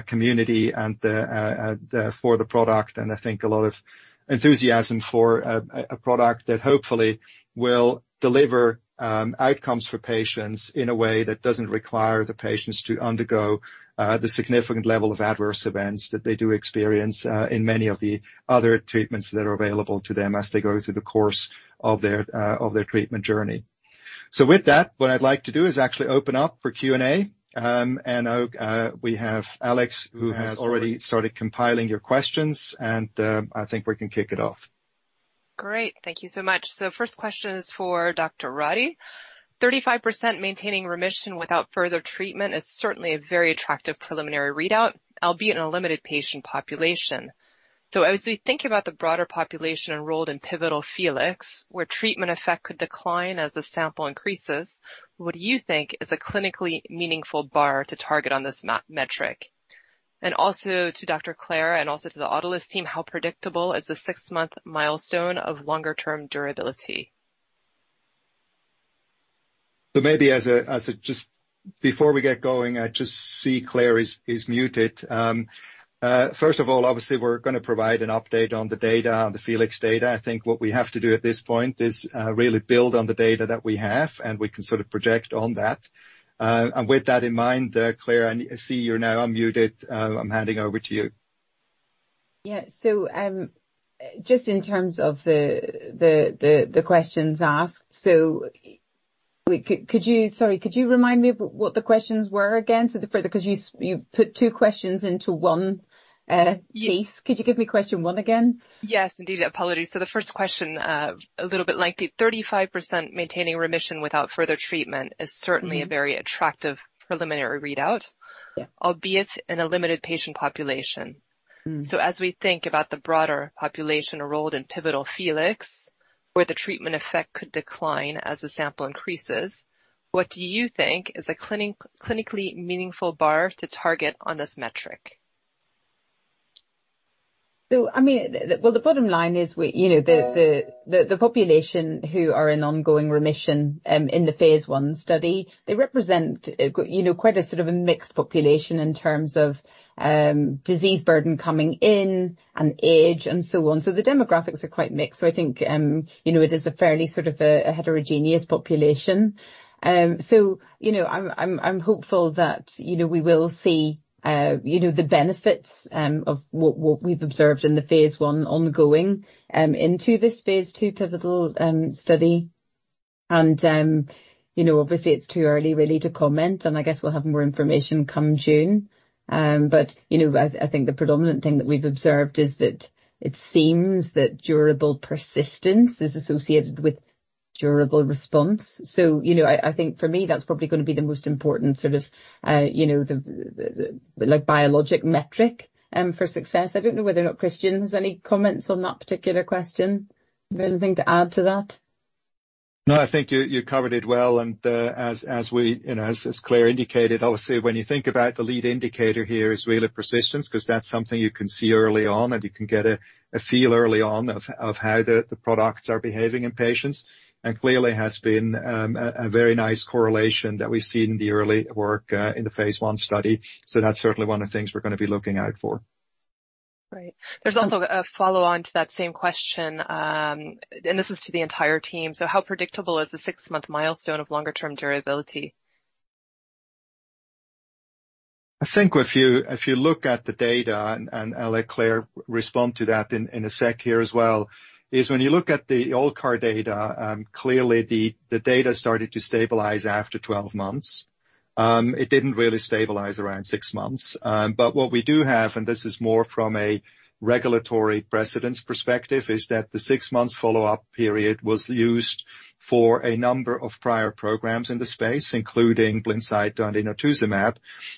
community and the. for the product, and I think a lot of enthusiasm for a product that hopefully will deliver outcomes for patients in a way that doesn't require the patients to undergo the significant level of adverse events that they do experience in many of the other treatments that are available to them as they go through the course of their of their treatment journey. With that, what I'd like to do is actually open up for Q&A. We have Alex who has already started compiling your questions. I think we can kick it off. Great. Thank you so much. First question is for Dr. Roddie. 35% maintaining remission without further treatment is certainly a very attractive preliminary readout, albeit in a limited patient population. As we think about the broader population enrolled in pivotal FELIX, where treatment effect could decline as the sample increases, what do you think is a clinically meaningful bar to target on this metric? Also to Dr. Roddie and also to the Autolus team, how predictable is the 6-month milestone of longer-term durability? Maybe as a Just before we get going, I just see Claire is muted. First of all, obviously, we're gonna provide an update on the data, on the FELIX data. I think what we have to do at this point is really build on the data that we have, and we can sort of project on that. With that in mind, Claire, I see you're now unmuted. I'm handing over to you. Yeah. just in terms of the, the questions asked, Sorry, could you remind me what the questions were again? 'Cause you put two questions into one piece. Yes. Could you give me question one again? Yes, indeed. Apologies. The first question, a little bit lengthy. 35% maintaining remission without further treatment is certainly a very attractive preliminary readout. Yeah. Albeit in a limited patient population. Mm-hmm. As we think about the broader population enrolled in pivotal FELIX, where the treatment effect could decline as the sample increases, what do you think is a clinically meaningful bar to target on this metric? I mean, well, the bottom line is we, you know, the, the population who are in ongoing remission in the phase 1 study, they represent, you know, quite a sort of a mixed population in terms of disease burden coming in and age and so on. The demographics are quite mixed. I think, you know, it is a fairly sort of a heterogeneous population. You know, I'm hopeful that, you know, we will see, you know, the benefits of what we've observed in the phase 1 ongoing into this phase 2 pivotal study. You know, obviously, it's too early really to comment, and I guess we'll have more information come June. You know, I think the predominant thing that we've observed is that it seems that durable persistence is associated with durable response. You know, I think for me, that's probably gonna be the most important sort of, you know, the like biologic metric for success. I don't know whether or not Christian has any comments on that particular question. Do you have anything to add to that? No, I think you covered it well. As we, you know, as Claire indicated, obviously, when you think about the lead indicator here is really persistence, 'cause that's something you can see early on, and you can get a feel early on of how the products are behaving in patients. Clearly has been a very nice correlation that we've seen in the early work in the phase 1 study. That's certainly one of the things we're gonna be looking out for. Right. There's also a follow-on to that same question, this is to the entire team. How predictable is the six-month milestone of longer-term durability? I think if you look at the data, I'll let Claire respond to that in a sec here as well, is when you look at the old CAR data, clearly the data started to stabilize after 12 months. It didn't really stabilize around six months. What we do have, and this is more from a regulatory precedence perspective, is that the six months follow-up period was used for a number of prior programs in the space, including Blincyto and inotuzumab,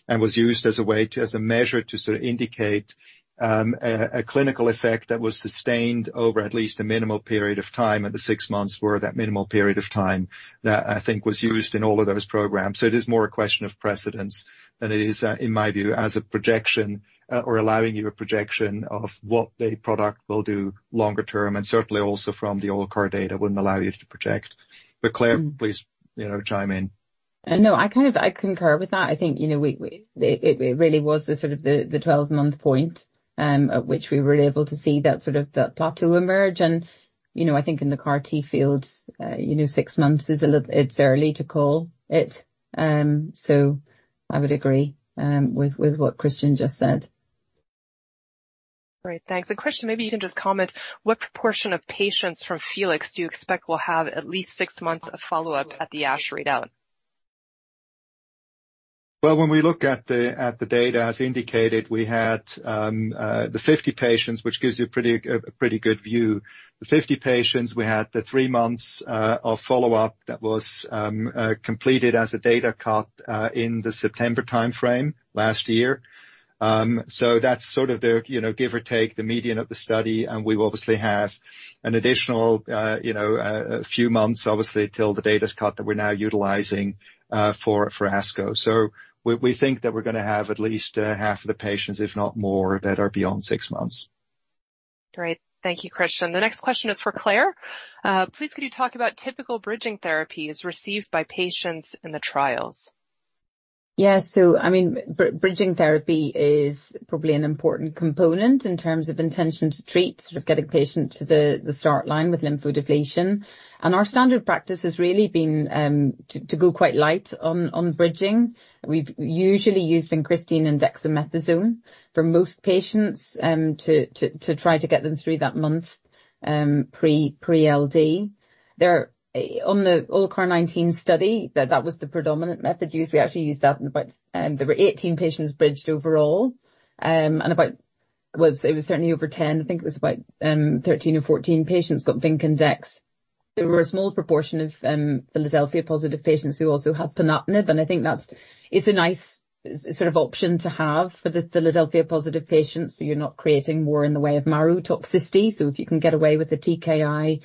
and was used as a way to, as a measure to sort of indicate a clinical effect that was sustained over at least a minimal period of time, and the six months were that minimal period of time that I think was used in all of those programs. It is more a question of precedence than it is in my view, as a projection, or allowing you a projection of what the product will do longer term, and certainly also from the old CAR data wouldn't allow you to project. Mm. Please, you know, chime in. No, I kind of, I concur with that. I think, you know, we. It really was the sort of the 12-month point at which we were able to see that sort of the plateau emerge. You know, I think in the CAR-T field, you know, 6 months is early to call it. I would agree with what Christian just said. Great. Thanks. Christian, maybe you can just comment, what proportion of patients from FELIX do you expect will have at least six months of follow-up at the ASH readout? When we look at the, at the data as indicated, we had the 50 patients, which gives you a pretty good view. The 50 patients, we had the 3 months of follow-up that was completed as a data cut in the September timeframe last year. That's sort of the, you know, give or take the median of the study, and we obviously have an additional, you know, a few months, obviously, till the data's cut that we're now utilizing for ASCO. We think that we're gonna have at least half of the patients, if not more, that are beyond 6 months. Great. Thank you, Christian. The next question is for Claire. Please could you talk about typical bridging therapies received by patients in the trials? I mean, bridging therapy is probably an important component in terms of intention to treat, sort of getting patient to the start line with lymphodepletion. Our standard practice has really been to go quite light on bridging. We've usually used vincristine and dexamethasone for most patients to try to get them through that month pre-LD. On the ALLCAR19 study, that was the predominant method used. We actually used that, and about... there were 18 patients bridged overall. Well, it was certainly over 10. I think it was about 13 or 14 patients got vinc and dex. There were a small proportion of Philadelphia chromosome-positive patients who also had ponatinib, and I think that's... It's a nice sort of option to have for the Philadelphia chromosome-positive patients, so you're not creating more in the way of marrow toxicity. If you can get away with a TKI,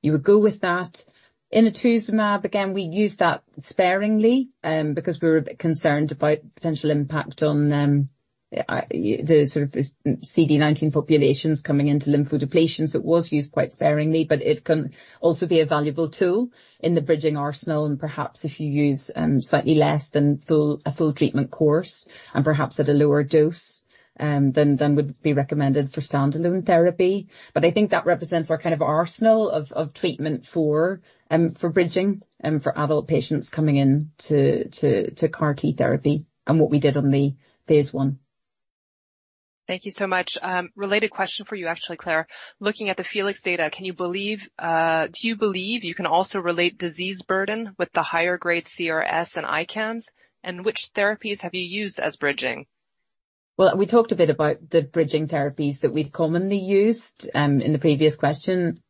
you would go with that. Inotuzumab, again, we used that sparingly, because we were a bit concerned about potential impact on the sort of CD19 populations coming into lymphodepletion. It was used quite sparingly, but it can also be a valuable tool in the bridging arsenal and perhaps if you use slightly less than a full treatment course and perhaps at a lower dose than would be recommended for standalone therapy. I think that represents our kind of arsenal of treatment for bridging for adult patients coming in to CAR-T therapy and what we did on the phase 1. Thank you so much. Related question for you actually, Claiire. Looking at the FELIX data, can you believe, do you believe you can also relate disease burden with the higher grade CRS and ICANS? Which therapies have you used as bridging? Well, we talked a bit about the bridging therapies that we've commonly used in the previous question.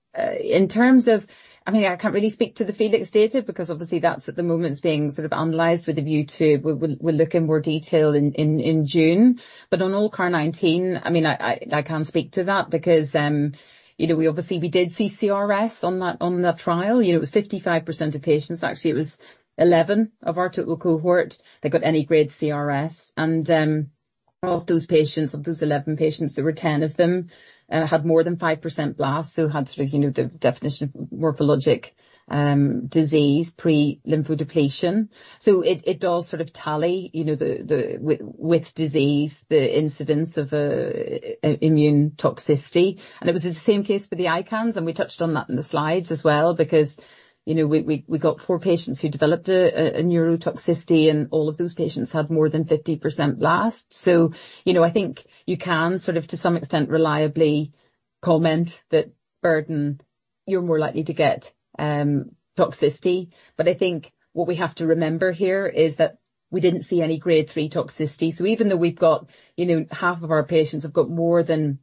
I mean, I can't really speak to the FELIX data because obviously that's at the moment is being sort of analyzed with a view to we're looking more detail in June. On ALLCAR19, I mean, I can speak to that because, you know, we obviously we did see CRS on that, on that trial. You know, it was 55% of patients. Actually, it was 11 of our total cohort that got any grade CRS. Of those patients, of those 11 patients, there were 10 of them had more than 5% last. Had sort of, you know, the definition morphologic disease pre lymphodepletion. It does sort of tally you know, the with disease, the incidence of immune toxicity. It was in the same case for the ICANS, and we touched on that in the slides as well, because, you know, we got 4 patients who developed a neurotoxicity, and all of those patients had more than 50% blasts. You know, I think you can sort of to some extent reliably comment that burden, you're more likely to get toxicity. I think what we have to remember here is that we didn't see any grade 3 toxicity. Even though we've got, you know, half of our patients have got more than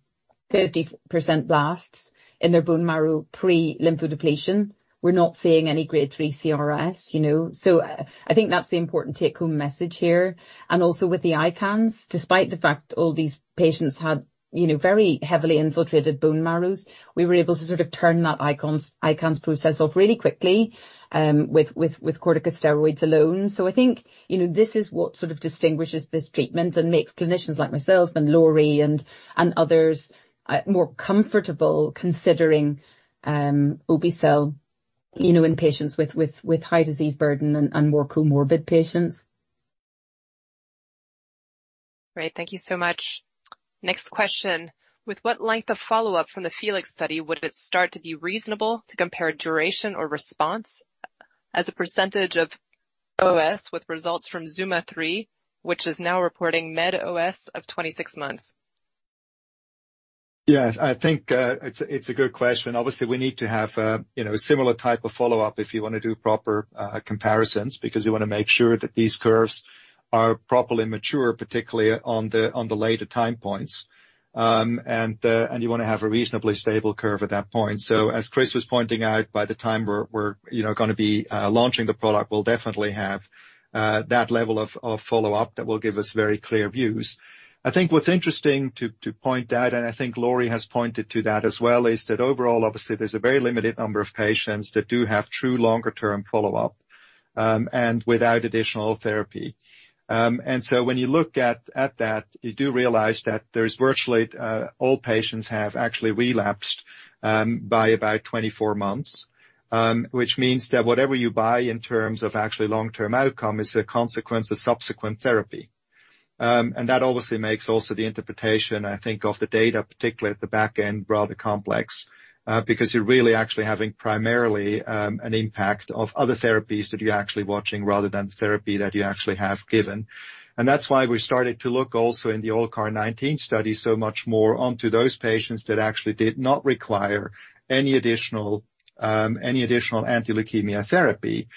30% blasts in their bone marrow pre lymphodepletion, we're not seeing any grade 3 CRS, you know. I think that's the important take-home message here. Also with the ICANS, despite the fact all these patients had, you know, very heavily infiltrated bone marrows, we were able to sort of turn that ICANS process off really quickly, with corticosteroids alone. I think, you know, this is what sort of distinguishes this treatment and makes clinicians like myself and Lori and others, more comfortable considering obe-cel, you know, in patients with high disease burden and more comorbid patients. Great. Thank you so much. Next question. With what length of follow-up from the FELIX study would it start to be reasonable to compare duration or response as a percentage of OS, with results from ZUMA-3, which is now reporting med OS of 26 months? Yes, I think, it's a good question. Obviously, we need to have, you know, a similar type of follow-up if you wanna do proper comparisons, because you wanna make sure that these curves are properly mature, particularly on the later time points. You wanna have a reasonably stable curve at that point. As Chris was pointing out, by the time we're, you know, gonna be launching the product, we'll definitely have that level of follow-up that will give us very clear views. I think what's interesting to point out, and I think Laurie has pointed to that as well, is that overall, obviously there's a very limited number of patients that do have true longer term follow-up, and without additional therapy. When you look at that, you do realize that there's virtually, all patients have actually relapsed, by about 24 months. Which means that whatever you buy in terms of actually long term outcome is a consequence of subsequent therapy. That obviously makes also the interpretation, I think, of the data, particularly at the back end, rather complex, because you're really actually having primarily, an impact of other therapies that you're actually watching rather than the therapy that you actually have given. That's why we started to look also in the ALLCAR19 study, so much more onto those patients that actually did not require any additional, any additional anti-leukemia therapy,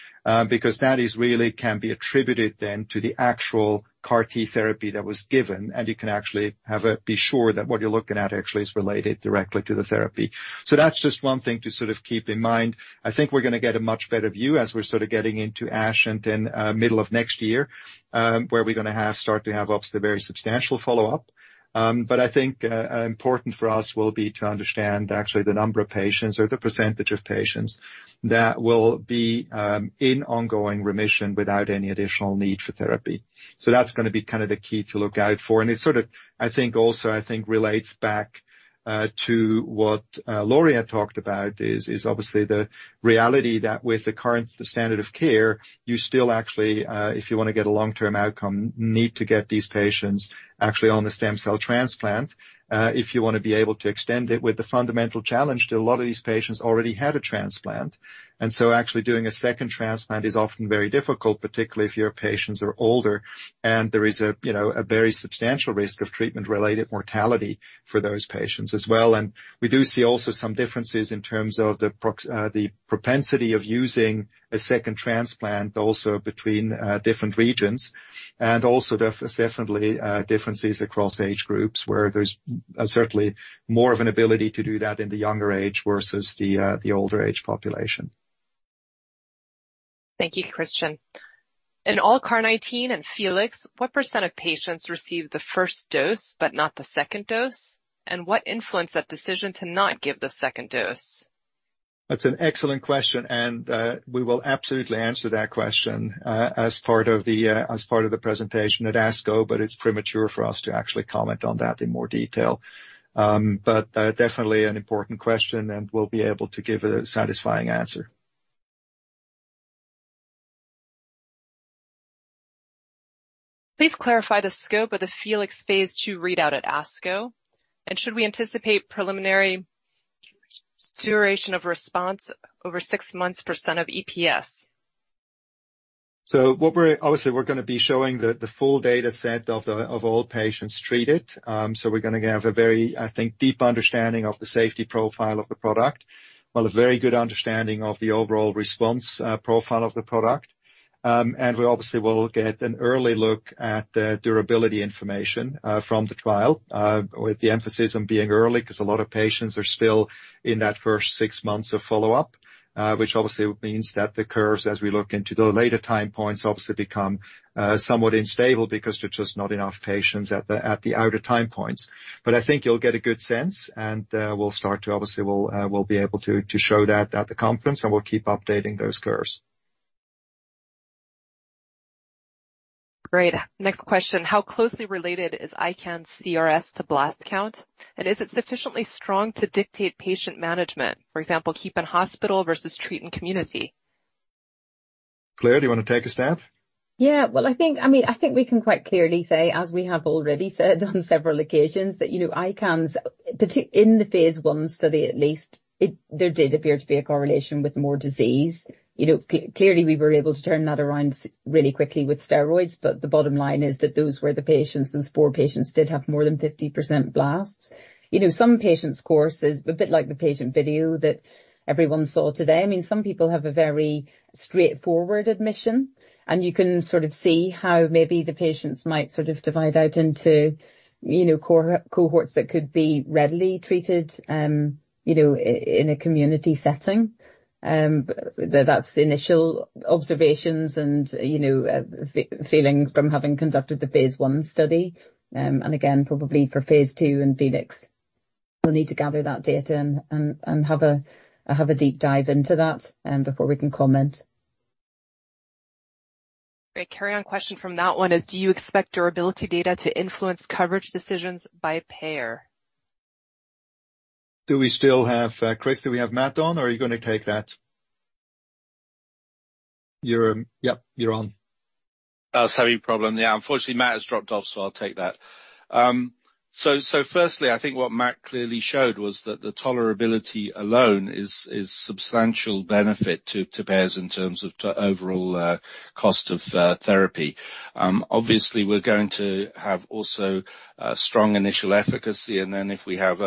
because that is really can be attributed then to the actual CAR T therapy that was given. You can actually have a be sure that what you're looking at actually is related directly to the therapy. That's just one thing to sort of keep in mind. I think we're gonna get a much better view as we're sort of getting into ASH and then middle of next year, where we're gonna start to have obviously very substantial follow-up. I think important for us will be to understand actually the number of patients or the percentage of patients that will be in ongoing remission without any additional need for therapy. That's gonna be kind of the key to look out for. It sort of, I think also relates back to what Lori had talked about is obviously the reality that with the current standard of care, you still actually, if you wanna get a long-term outcome, need to get these patients actually on the stem cell transplant, if you wanna be able to extend it with the fundamental challenge that a lot of these patients already had a transplant. Actually doing a second transplant is often very difficult, particularly if your patients are older and there is a, you know, a very substantial risk of treatment-related mortality for those patients as well. We do see also some differences in terms of the propensity of using a second transplant also between different regions and also definitely differences across age groups where there's certainly more of an ability to do that in the younger age versus the older age population. Thank you, Christian. In ALLCAR19 and FELIX, what % of patients received the first dose but not the second dose? What influenced that decision to not give the second dose? That's an excellent question, and we will absolutely answer that question as part of the as part of the presentation at ASCO. It's premature for us to actually comment on that in more detail. Definitely an important question, and we'll be able to give a satisfying answer. Please clarify the scope of the FELIX Phase 2 readout at ASCO, should we anticipate preliminary duration of response over six months % of EPS? Obviously, we're gonna be showing the full data set of all patients treated. We're gonna have a very, I think, deep understanding of the safety profile of the product. While a very good understanding of the overall response profile of the product. We obviously will get an early look at the durability information from the trial with the emphasis on being early, 'cause a lot of patients are still in that first 6 months of follow-up. Which obviously means that the curves, as we look into the later time points, obviously become somewhat unstable because there's just not enough patients at the outer time points. I think you'll get a good sense, and we'll start to obviously we'll be able to show that at the conference, and we'll keep updating those curves. Great. Next question. How closely related is ICANS CRS to blast count? Is it sufficiently strong to dictate patient management? For example, keep in hospital versus treat in community. Claire, do you want to take a stab? Well, I think, I mean, I think we can quite clearly say, as we have already said on several occasions, that, you know, ICANS, in the phase 1 study, at least there did appear to be a correlation with more disease. You know, clearly, we were able to turn that around really quickly with steroids, but the bottom line is that those were the patients, those four patients did have more than 50% blasts. You know, some patients course is a bit like the patient video that everyone saw today. Some people have a very straightforward admission, and you can sort of see how maybe the patients might sort of divide out into, you know, cohorts that could be readily treated, in a community setting. That's initial observations and, you know, the feeling from having conducted the phase 1 study. Again, probably for phase 2 and Felix, we'll need to gather that data and have a deep dive into that before we can comme Great. Carry on question from that one is, do you expect durability data to influence coverage decisions by payer? Do we still have Chris, do we have Matt on, or are you gonna take that? You're, yep, you're on. Sorry. Problem. Unfortunately, Matt has dropped off, so I'll take that. Firstly, I think what Matt clearly showed was that the tolerability alone is substantial benefit to payers in terms of overall cost of therapy. Obviously, we're going to have also strong initial efficacy, and then if we have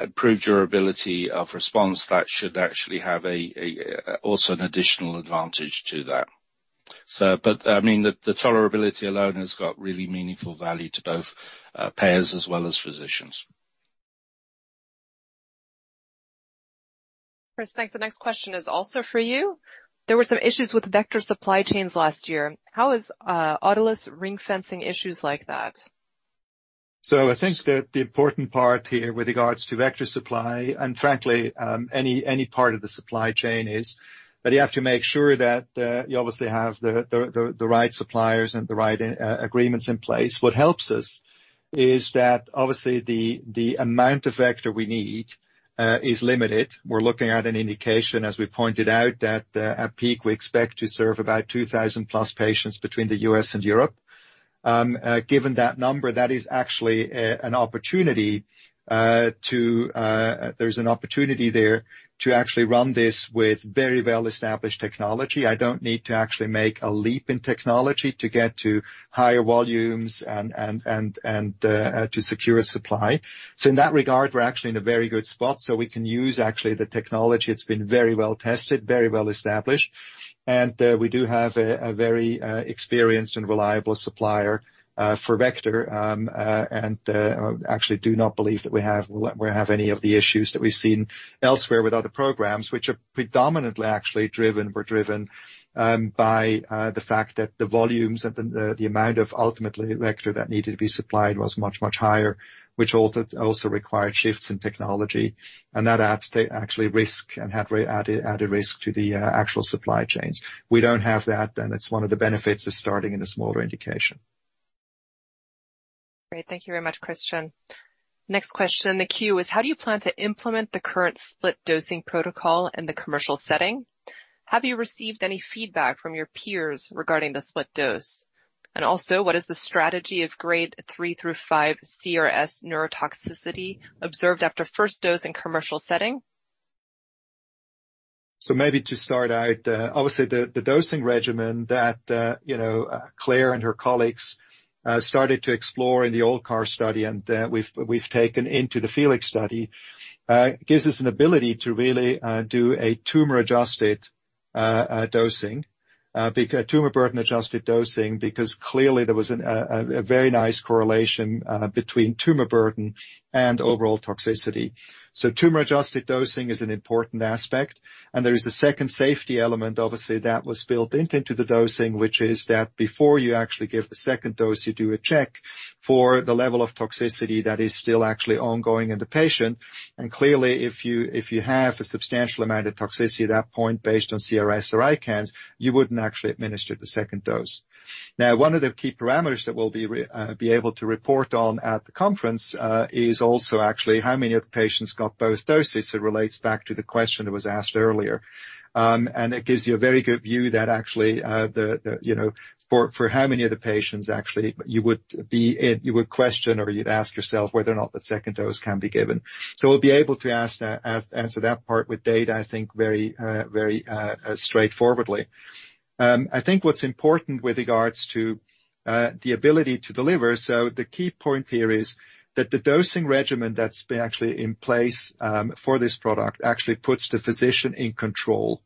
improved durability of response, that should actually have also an additional advantage to that. I mean, the tolerability alone has got really meaningful value to both payers as well as physicians. Chris, thanks. The next question is also for you. There were some issues with vector supply chains last year. How is Autolus ring-fencing issues like that? I think the important part here with regards to vector supply, and frankly, any part of the supply chain is that you have to make sure that you obviously have the right suppliers and the right agreements in place. What helps us is that obviously the amount of vector we need is limited. We're looking at an indication as we pointed out that at peak, we expect to serve about 2,000+ patients between the US and Europe. Given that number, that is actually an opportunity. There's an opportunity there to actually run this with very well-established technology. I don't need to actually make a leap in technology to get to higher volumes and to secure a supply. In that regard, we're actually in a very good spot, so we can use actually the technology. It's been very well-tested, very well-established. We do have a very experienced and reliable supplier for Vector, and actually do not believe that we have, we'll have any of the issues that we've seen elsewhere with other programs, which are predominantly actually driven or driven by the fact that the volumes and the amount of ultimately vector that needed to be supplied was much, much higher, which also required shifts in technology. That adds the actually risk and had added risk to the actual supply chains. We don't have that, and it's one of the benefits of starting in a smaller indication. Great. Thank you very much, Christian. Next question in the queue is how do you plan to implement the current split dosing protocol in the commercial setting? Have you received any feedback from your peers regarding the split dose? What is the strategy of grade 3 through 5 CRS neurotoxicity observed after first dose in commercial setting? Maybe to start out, obviously, the dosing regimen that, you know, Claire and her colleagues, started to explore in the old CAR study and, we've taken into the Phoenix study, gives us an ability to really, do a tumor-adjusted, dosing, tumor burden adjusted dosing, because clearly there was a very nice correlation, between tumor burden and overall toxicity. Tumor adjusted dosing is an important aspect. There is a second safety element, obviously, that was built into the dosing, which is that before you actually give the second dose, you do a check for the level of toxicity that is still actually ongoing in the patient. Clearly, if you have a substantial amount of toxicity at that point based on CRS or ICANS, you wouldn't actually administer the second dose. One of the key parameters that we'll be able to report on at the conference is also actually how many of the patients got both doses. It relates back to the question that was asked earlier. It gives you a very good view that actually, you know, for how many of the patients, actually, you would question or you'd ask yourself whether or not the second dose can be given. We'll be able to answer that part with data, I think, very, very straightforwardly. I think what's important with regards to the ability to deliver, the key point here is that the dosing regimen that's been actually in place for this product actually puts the physician in control.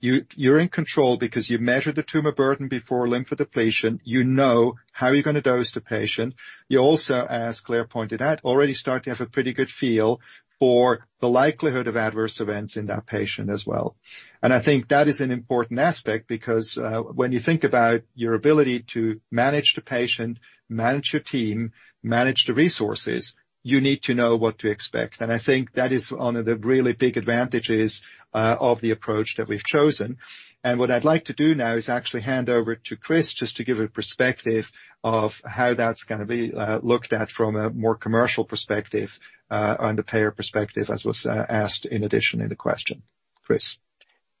You're in control because you measured the tumor burden before lymphodepletion. You know how you're gonna dose the patient. You also, as Clare pointed out, already start to have a pretty good feel for the likelihood of adverse events in that patient as well. I think that is an important aspect because when you think about your ability to manage the patient, manage your team, manage the resources, you need to know what to expect. I think that is one of the really big advantages of the approach that we've chosen. What I'd like to do now is actually hand over to Chris just to give a perspective of how that's gonna be looked at from a more commercial perspective, on the payer perspective, as was asked in addition in the question. Chris.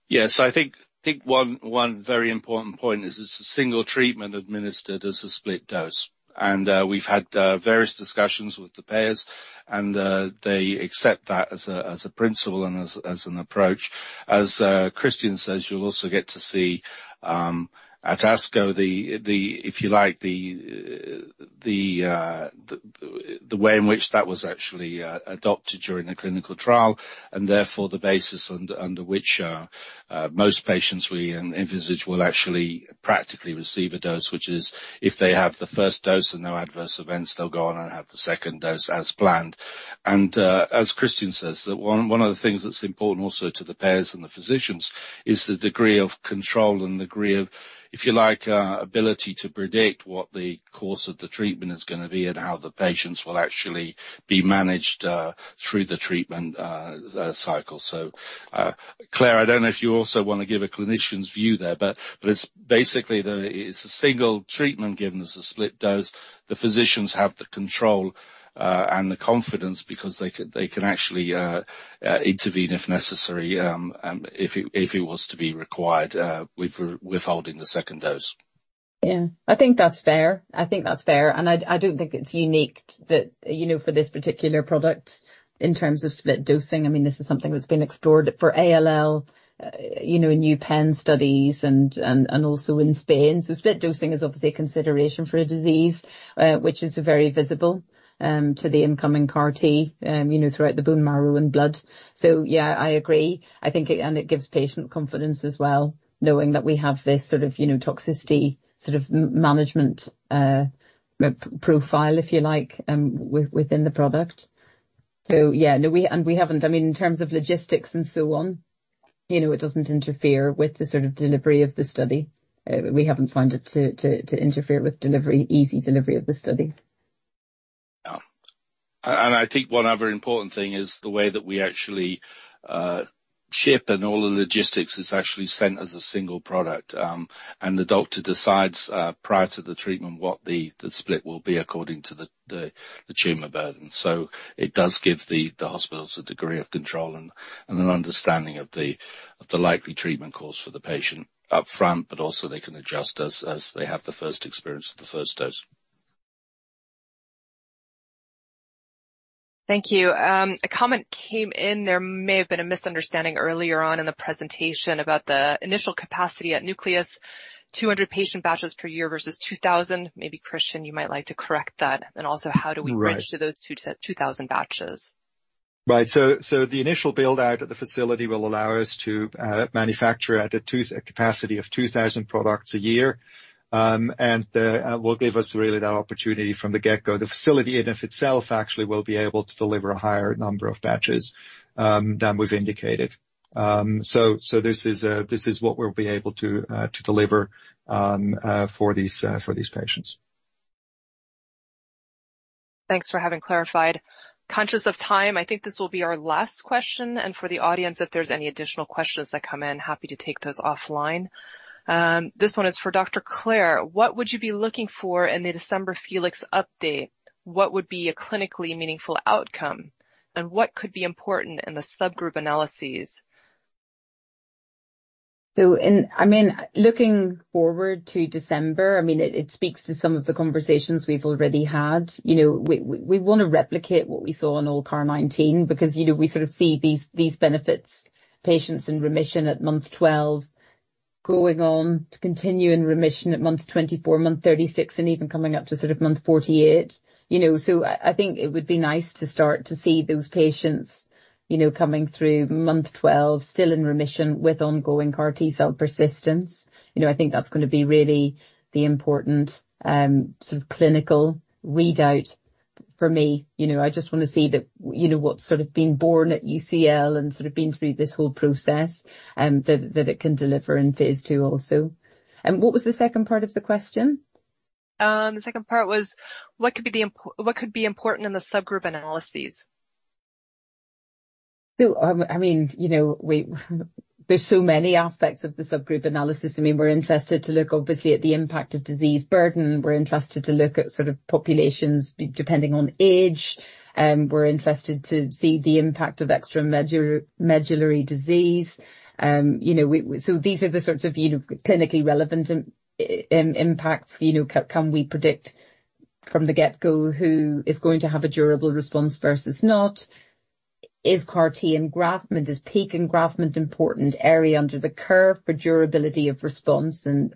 Yes. I think one very important point is it's a single treatment administered as a split dose. We've had various discussions with the payers, and they accept that as a principle and as an approach. As Christian says, you'll also get to see at ASCO the if you like, the way in which that was actually adopted during the clinical trial, and therefore the basis under which most patients we envisage will actually practically receive a dose, which is if they have the first dose and no adverse events, they'll go on and have the second dose as planned. As Christian says, one of the things that's important also to the payers and the physicians is the degree of control and degree of, if you like, ability to predict what the course of the treatment is gonna be and how the patients will actually be managed through the treatment cycle. Claire, I don't know if you also wanna give a clinician's view there, but it's basically it's a single treatment given as a split dose. The physicians have the control and the confidence because they can actually intervene if necessary, if it was to be required, with withholding the second dose. Yeah. I think that's fair. I think that's fair. I don't think it's unique that, you know, for this particular product in terms of split dosing. I mean, this is something that's been explored for ALL, you know, in UPen studies and also in Spain. Split dosing is obviously a consideration for a disease, which is very visible to the incoming CAR T, you know, throughout the bone marrow and blood. Yeah, I agree. I think it gives patient confidence as well, knowing that we have this sort of, you know, toxicity sort of management profile, if you like, within the product. Yeah. No, we haven't. I mean, in terms of logistics and so on, you know, it doesn't interfere with the sort of delivery of the study. We haven't found it to interfere with delivery, easy delivery of the study. Yeah. I think one other important thing is the way that we actually ship and all the logistics is actually sent as a single product, and the doctor decides prior to the treatment what the split will be according to the tumor burden. It does give the hospitals a degree of control and an understanding of the likely treatment course for the patient up front, also they can adjust as they have the first experience with the first dose. Thank you. A comment came in. There may have been a misunderstanding earlier on in the presentation about the initial capacity at Nucleus, 200 patient batches per year versus 2,000. Maybe Christian, you might like to correct that. Right. bridge to those 2,000 batches? Right. The initial build-out of the facility will allow us to manufacture at a capacity of 2,000 products a year. will give us really that opportunity from the get go. The facility in and of itself actually will be able to deliver a higher number of batches than we've indicated. This is what we'll be able to deliver for these patients. Thanks for having clarified. Conscious of time, I think this will be our last question. For the audience, if there's any additional questions that come in, happy to take those offline. This one is for Dr. Claire. What would you be looking for in the December FELIX update? What would be a clinically meaningful outcome, and what could be important in the subgroup analyses? I mean, looking forward to December, I mean, it speaks to some of the conversations we've already had. You know, we wanna replicate what we saw on ALLCAR19 because, you know, we sort of see these benefits, patients in remission at month 12 going on to continue in remission at month 24, month 36, and even coming up to sort of month 48. You know, I think it would be nice to start to see those patients, you know, coming through month 12 still in remission with ongoing CAR T-cell persistence. You know, I think that's gonna be really the important sort of clinical readout for me. You know, I just wanna see that, you know, what's sort of been born at UCL and sort of been through this whole process, that it can deliver in phase 2 also. What was the second part of the question? The second part was, what could be important in the subgroup analyses? I mean, you know, There's so many aspects of the subgroup analysis. I mean, we're interested to look obviously at the impact of disease burden. We're interested to look at sort of populations depending on age. We're interested to see the impact of extramedullary disease. You know, we. These are the sorts of, you know, clinically relevant impact. You know, can we predict from the get go who is going to have a durable response versus not? Is CAR T engraftment, is peak engraftment important area under the curve for durability of response? You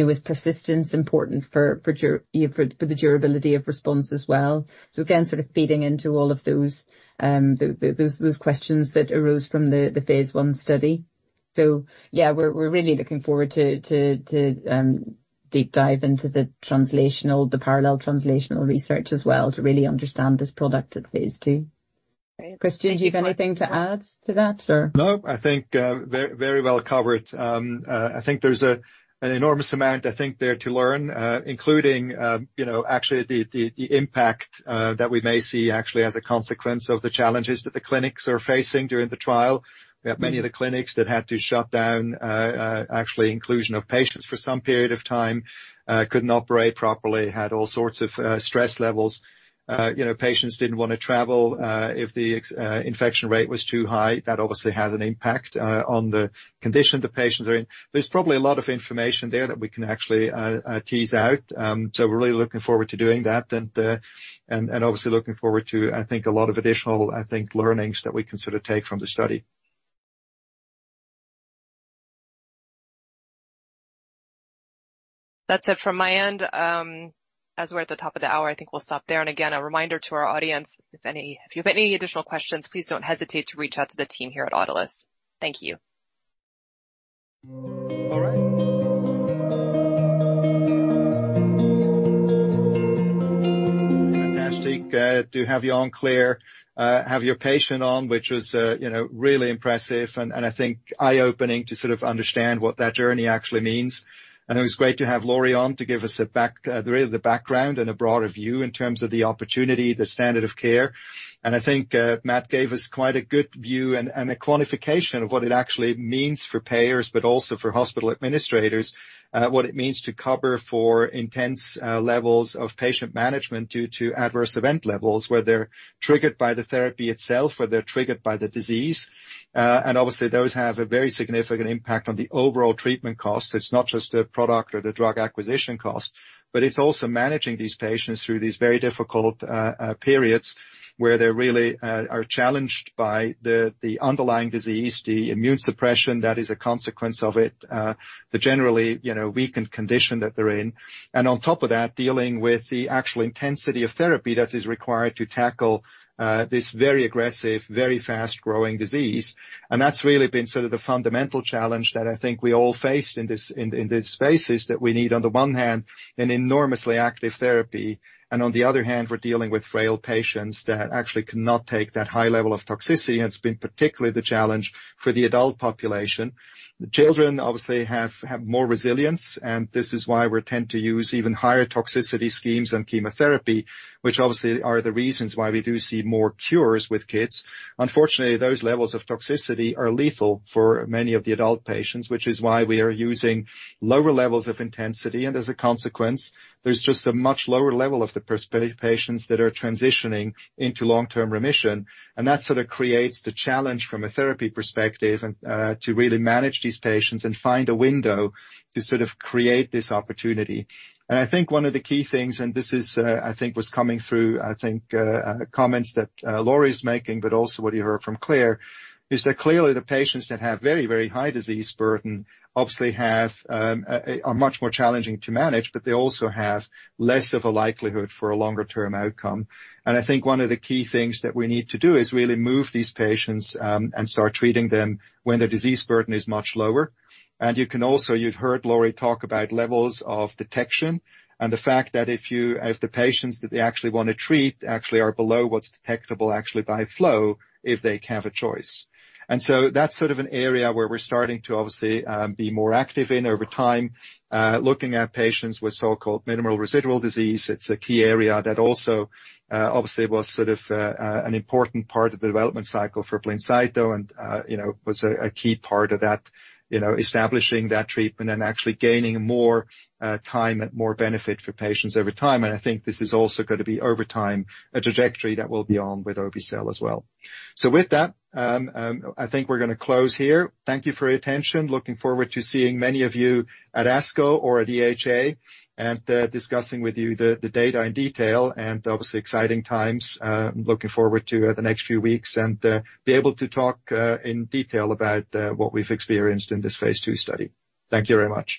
know, is persistence important for you know, for the durability of response as well? Again, sort of feeding into all of those questions that arose from the phase 1 study. Yeah, we're really looking forward to deep dive into the translational, the parallel translational research as well to really understand this product at phase 2. Great. Christian, do you have anything to add to that, sir? No. I think very, very well covered. I think there's an enormous amount, I think there to learn, including, you know, actually the impact that we may see actually as a consequence of the challenges that the clinics are facing during the trial. We have many of the clinics that had to shut down, actually inclusion of patients for some period of time, couldn't operate properly, had all sorts of stress levels. You know, patients didn't wanna travel if the infection rate was too high. That obviously has an impact on the condition the patients are in. There's probably a lot of information there that we can actually tease out. We're really looking forward to doing that, and obviously looking forward to, I think, a lot of additional, I think, learnings that we can sort of take from the study. That's it from my end. As we're at the top of the hour, I think we'll stop there. Again, a reminder to our audience, if you've any additional questions, please don't hesitate to reach out to the team here at Autolus. Thank you. All right. Fantastic, to have you on, Claire. Have your patient on, which was, you know, really impressive and I think eye-opening to sort of understand what that journey actually means. It was great to have Lori on to give us a back, really the background and a broader view in terms of the opportunity, the standard of care. I think, Matt gave us quite a good view and a quantification of what it actually means for payers, but also for hospital administrators. What it means to cover for intense levels of patient management due to adverse event levels, whether triggered by the therapy itself or they're triggered by the disease. Obviously, those have a very significant impact on the overall treatment costs. It's not just the product or the drug acquisition cost, but it's also managing these patients through these very difficult periods where they really are challenged by the underlying disease, the immune suppression that is a consequence of it. The generally weakened condition that they're in. On top of that, dealing with the actual intensity of therapy that is required to tackle this very aggressive, very fast-growing disease. That's really been sort of the fundamental challenge that I think we all faced in these spaces, that we need, on the one hand, an enormously active therapy, and on the other hand, we're dealing with frail patients that actually cannot take that high level of toxicity. It's been particularly the challenge for the adult population. The children, obviously, have more resilience, and this is why we tend to use even higher toxicity schemes than chemotherapy, which obviously are the reasons why we do see more cures with kids. Unfortunately, those levels of toxicity are lethal for many of the adult patients, which is why we are using lower levels of intensity. As a consequence, there's just a much lower level of the patients that are transitioning into long-term remission. That sort of creates the challenge from a therapy perspective and to really manage these patients and find a window to sort of create this opportunity. I think one of the key things, and this is, I think was coming through, I think, comments that Lori's making, but also what you heard from Claire, is that clearly the patients that have very, very high disease burden obviously have, are much more challenging to manage, but they also have less of a likelihood for a longer-term outcome. I think one of the key things that we need to do is really move these patients, and start treating them when their disease burden is much lower. You'd heard Lori talk about levels of detection and the fact that if you, as the patients that they actually wanna treat, actually are below what's detectable actually by flow, if they have a choice. That's sort of an area where we're starting to obviously be more active in over time. Looking at patients with so-called minimal residual disease. It's a key area that also obviously was sort of an important part of the development cycle for Blincyto and you know, was a key part of that, you know, establishing that treatment and actually gaining more time and more benefit for patients over time. I think this is also gonna be over time, a trajectory that we'll be on with obe-cel as well. With that, I think we're gonna close here. Thank you for your attention. Looking forward to seeing many of you at ASCO or at EHA and discussing with you the data in detail and obviously exciting times. looking forward to the next few weeks and be able to talk in detail about what we've experienced in this phase 2 study. Thank you very much.